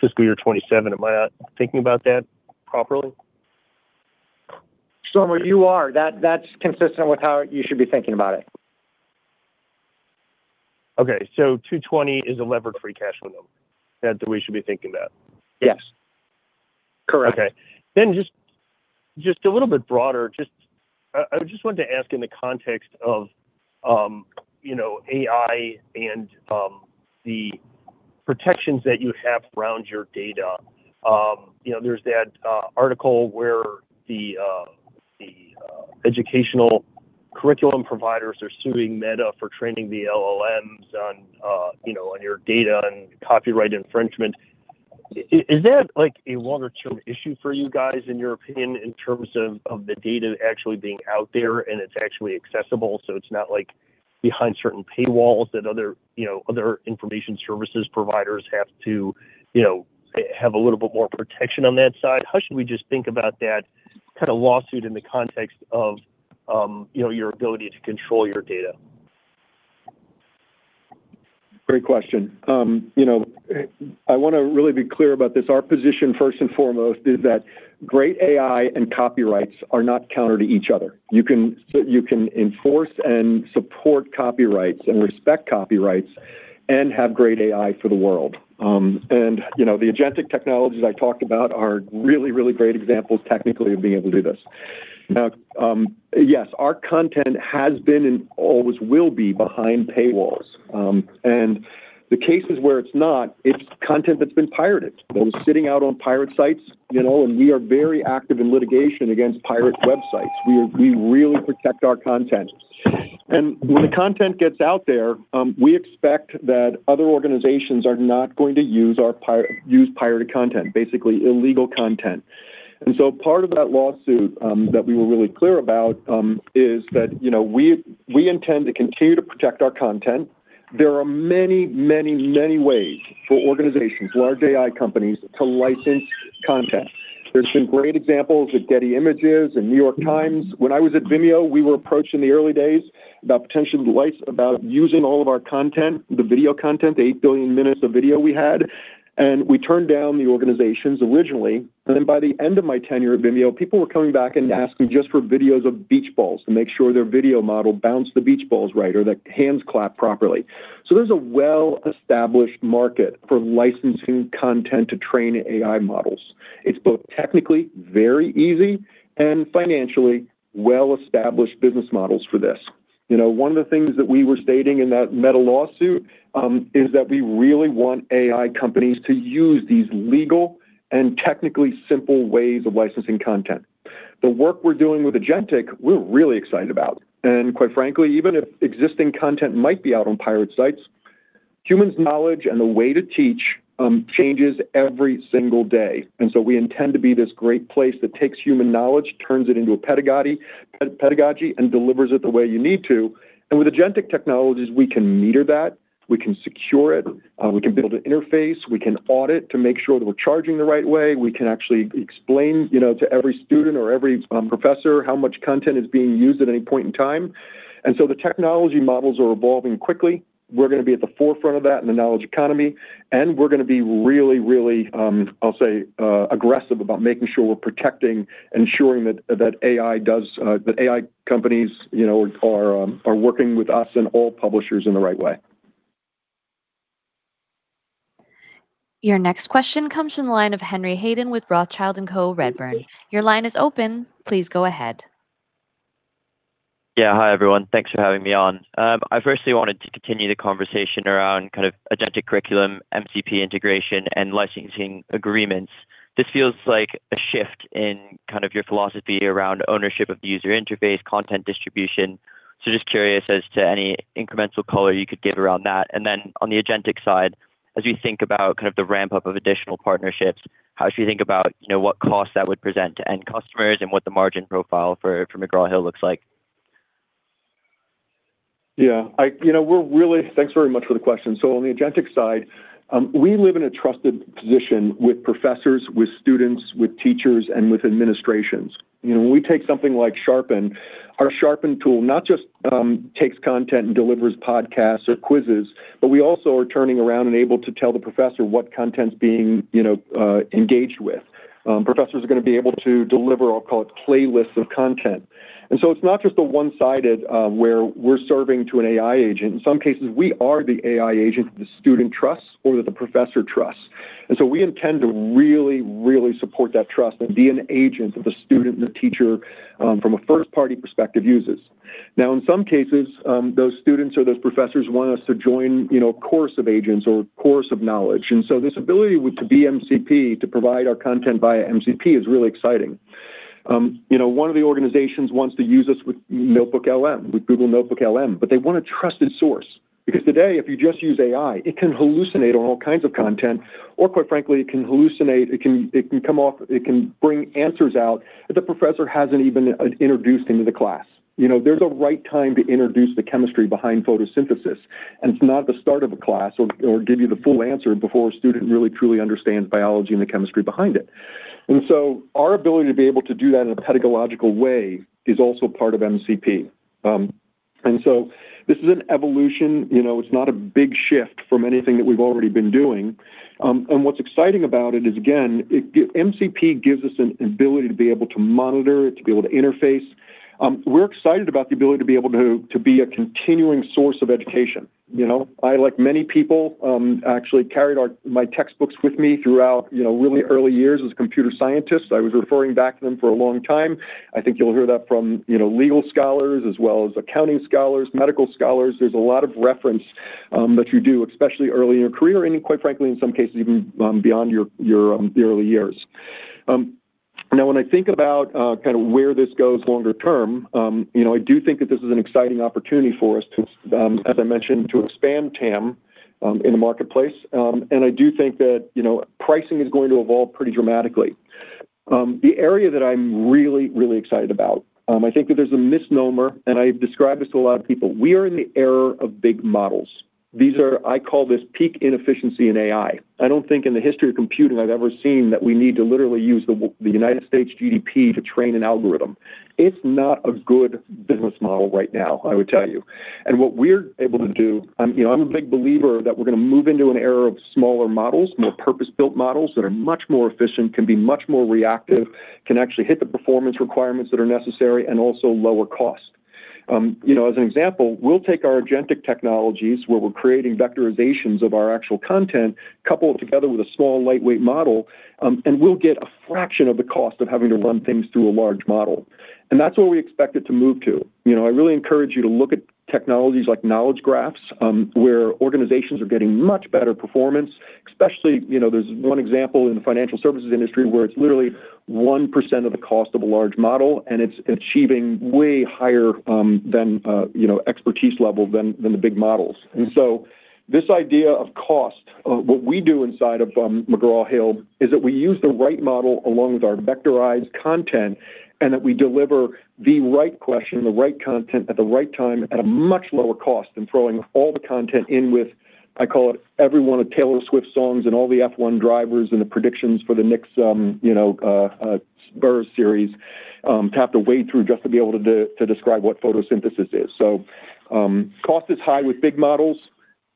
fiscal year 2027. Am I not thinking about that properly? Shlomo, you are. That's consistent with how you should be thinking about it. Okay. $220 is a levered free cash flow number that we should be thinking about? Yes. Correct. Just a little bit broader, I just wanted to ask in the context of AI and the protections that you have around your data. There's that article where the educational curriculum providers are suing Meta for training the LLMs on your data and copyright infringement. Is that a one or two issue for you guys in your opinion, in terms of the data actually being out there and it's actually accessible, so it's not behind certain paywalls that other information services providers have to have a little bit more protection on that side? How should we just think about that kind of lawsuit in the context of your ability to control your data? Great question. I want to really be clear about this. Our position, first and foremost, is that great AI and copyrights are not counter to each other. You can enforce and support copyrights and respect copyrights and have great AI for the world. The agentic technologies I talked about are really, really great examples technically of being able to do this. Yes, our content has been and always will be behind paywalls. The cases where it's not, it's content that's been pirated, that is sitting out on pirate sites. We are very active in litigation against pirate websites. We really protect our content. When the content gets out there, we expect that other organizations are not going to use pirated content, basically illegal content. Part of that lawsuit, that we were really clear about, is that we intend to continue to protect our content. There are many, many, many ways for organizations, large AI companies, to license content. There has been great examples with Getty Images and The New York Times. When I was at Vimeo, we were approached in the early days about potentially using all of our content, the video content, the 8 billion minutes of video we had, and we turned down the organizations originally. Then by the end of my tenure at Vimeo, people were coming back and asking just for videos of beach balls to make sure their video model bounced the beach balls right or the hands clap properly. There is a well-established market for licensing content to train AI models. It is both technically very easy and financially well-established business models for this. One of the things that we were stating in that Meta lawsuit, is that we really want AI companies to use these legal and technically simple ways of licensing content. The work we are doing with agentic, we are really excited about, and quite frankly, even if existing content might be out on pirate sites, humans' knowledge and the way to teach changes every single day. We intend to be this great place that takes human knowledge, turns it into a pedagogy, and delivers it the way you need to. With agentic technologies, we can meter that, we can secure it, we can build an interface, we can audit to make sure that we are charging the right way. We can actually explain to every student or every professor how much content is being used at any point in time. The technology models are evolving quickly. We are going to be at the forefront of that in the knowledge economy, and we are going to be really, really, I will say, aggressive about making sure we are protecting, ensuring that AI companies are working with us and all publishers in the right way. Your next question comes from the line of Henry Hayden with Rothschild & Co Redburn. Your line is open. Please go ahead. Hi, everyone. Thanks for having me on. I firstly wanted to continue the conversation around agentic curriculum, MCP integration, and licensing agreements. This feels like a shift in your philosophy around ownership of the user interface, content distribution. Just curious as to any incremental color you could give around that. On the agentic side, as we think about the ramp-up of additional partnerships, how should we think about what costs that would present to end customers and what the margin profile for McGraw Hill looks like? Thanks very much for the question. On the agentic side, we live in a trusted position with professors, with students, with teachers, and with administrations. When we take something like Sharpen, our Sharpen tool not just takes content and delivers podcasts or quizzes, but we also are turning around and able to tell the professor what content's being engaged with. Professors are going to be able to deliver, I'll call it playlists of content. It's not just a one-sided where we're serving to an AI agent. In some cases, we are the AI agent the student trusts or that the professor trusts. And we intend to really, really support that trust and be an agent that the student and the teacher from a first-party perspective uses. Now, in some cases, those students or those professors want us to join a course of agents or a course of knowledge. This ability to be MCP, to provide our content via MCP is really exciting. One of the organizations wants to use us with NotebookLM, with Google NotebookLM, but they want a trusted source, because today, if you just use AI, it can hallucinate on all kinds of content, or quite frankly, it can hallucinate, it can bring answers out that the professor hasn't even introduced into the class. There's a right time to introduce the chemistry behind photosynthesis, and it's not the start of a class or give you the full answer before a student really, truly understands biology and the chemistry behind it. Our ability to be able to do that in a pedagogical way is also part of MCP. This is an evolution. It's not a big shift from anything that we've already been doing. What's exciting about it is, again, MCP gives us an ability to be able to monitor, to be able to interface. We're excited about the ability to be able to be a continuing source of education. I, like many people, actually carried my textbooks with me throughout really early years as a computer scientist. I was referring back to them for a long time. I think you'll hear that from legal scholars as well as accounting scholars, medical scholars. There's a lot of reference that you do, especially early in your career, and quite frankly, in some cases, even beyond the early years. When I think about where this goes longer term, I do think that this is an exciting opportunity for us to, as I mentioned, to expand TAM in the marketplace. I do think that pricing is going to evolve pretty dramatically. The area that I'm really, really excited about, I think that there's a misnomer, and I've described this to a lot of people. We are in the era of big models. I call this peak inefficiency in AI. I don't think in the history of computing I've ever seen that we need to literally use the U.S. GDP to train an algorithm. It's not a good business model right now, I would tell you. What we're able to do, I'm a big believer that we're going to move into an era of smaller models, more purpose-built models that are much more efficient, can be much more reactive, can actually hit the performance requirements that are necessary and also lower cost. As an example, we'll take our agentic technologies, where we're creating vectorizations of our actual content, couple it together with a small, lightweight model, and we'll get a fraction of the cost of having to run things through a large model. That's where we expect it to move to. I really encourage you to look at technologies like knowledge graphs, where organizations are getting much better performance, especially, there's one example in the financial services industry where it's literally 1% of the cost of a large model, and it's achieving way higher expertise level than the big models. This idea of cost, what we do inside of McGraw Hill is that we use the right model along with our vectorized content, and that we deliver the right question, the right content at the right time at a much lower cost than throwing all the content in with, I call it every one of Taylor Swift's songs and all the F1 drivers and the predictions for the next Spurs series to have to wade through just to be able to describe what photosynthesis is. Cost is high with big models.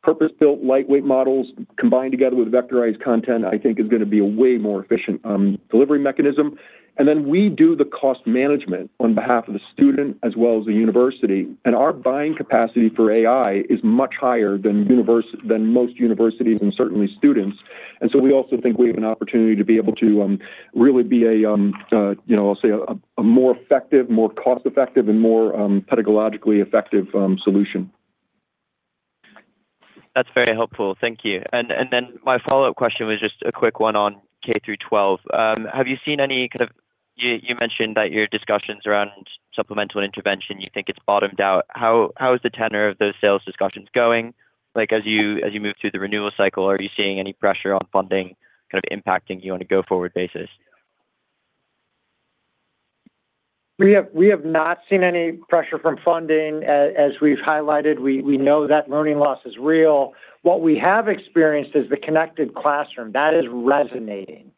Purpose-built, lightweight models combined together with vectorized content, I think is going to be a way more efficient delivery mechanism. Then we do the cost management on behalf of the student as well as the university, and our buying capacity for AI is much higher than most universities and certainly students. We also think we have an opportunity to be able to really be a, I'll say, a more effective, more cost-effective, and more pedagogically effective solution. That's very helpful. Thank you. My follow-up question was just a quick one on K-12. You mentioned that your discussions around supplemental intervention, you think it's bottomed out. How is the tenor of those sales discussions going? As you move through the renewal cycle, are you seeing any pressure on funding kind of impacting you on a go-forward basis? We have not seen any pressure from funding. As we've highlighted, we know that learning loss is real. What we have experienced is the connected classroom. That is resonating.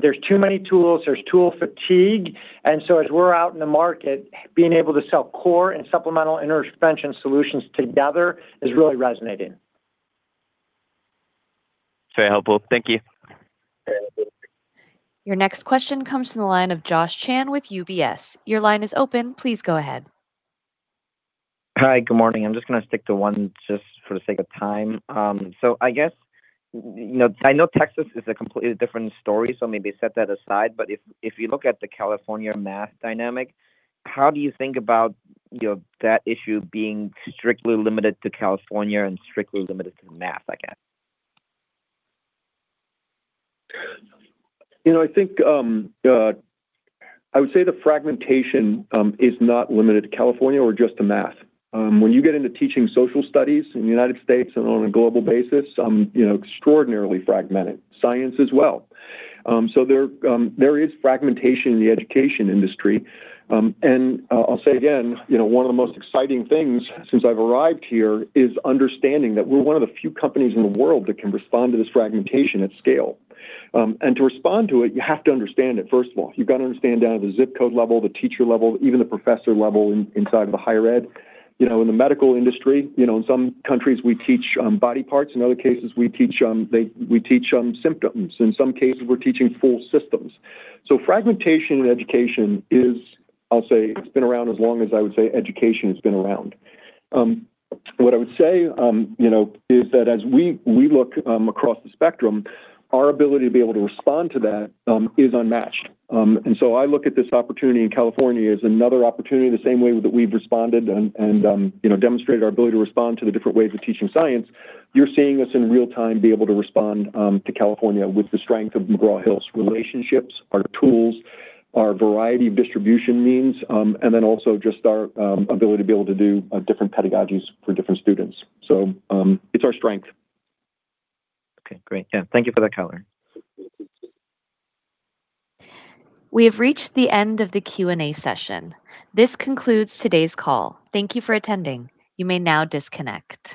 There's too many tools. There's tool fatigue. As we're out in the market, being able to sell core and supplemental intervention solutions together is really resonating. Very helpful. Thank you. Your next question comes from the line of Josh Chan with UBS. Your line is open. Please go ahead. Hi. Good morning. I'm just going to stick to one just for the sake of time. I guess, I know Texas is a completely different story, so maybe set that aside, but if you look at the California math dynamic, how do you think about that issue being strictly limited to California and strictly limited to math, I guess? I would say the fragmentation is not limited to California or just to math. When you get into teaching social studies in the U.S. and on a global basis, extraordinarily fragmented. Science as well. There is fragmentation in the education industry. I'll say again, one of the most exciting things since I've arrived here is understanding that we're one of the few companies in the world that can respond to this fragmentation at scale. To respond to it, you have to understand it, first of all. You've got to understand down at the zip code level, the teacher level, even the professor level inside of the higher ed. In the medical industry, in some countries, we teach body parts. In other cases, we teach symptoms. In some cases, we're teaching full systems. Fragmentation in education is, I'll say, it's been around as long as I would say education has been around. What I would say, is that as we look across the spectrum, our ability to be able to respond to that is unmatched. I look at this opportunity in California as another opportunity, the same way that we've responded and demonstrated our ability to respond to the different ways of teaching science. You're seeing us in real time be able to respond to California with the strength of McGraw Hill's relationships, our tools, our variety of distribution means, and then also just our ability to be able to do different pedagogies for different students. It's our strength. Okay, great. Yeah. Thank you for that color. We have reached the end of the Q&A session. This concludes today's call. Thank you for attending. You may now disconnect.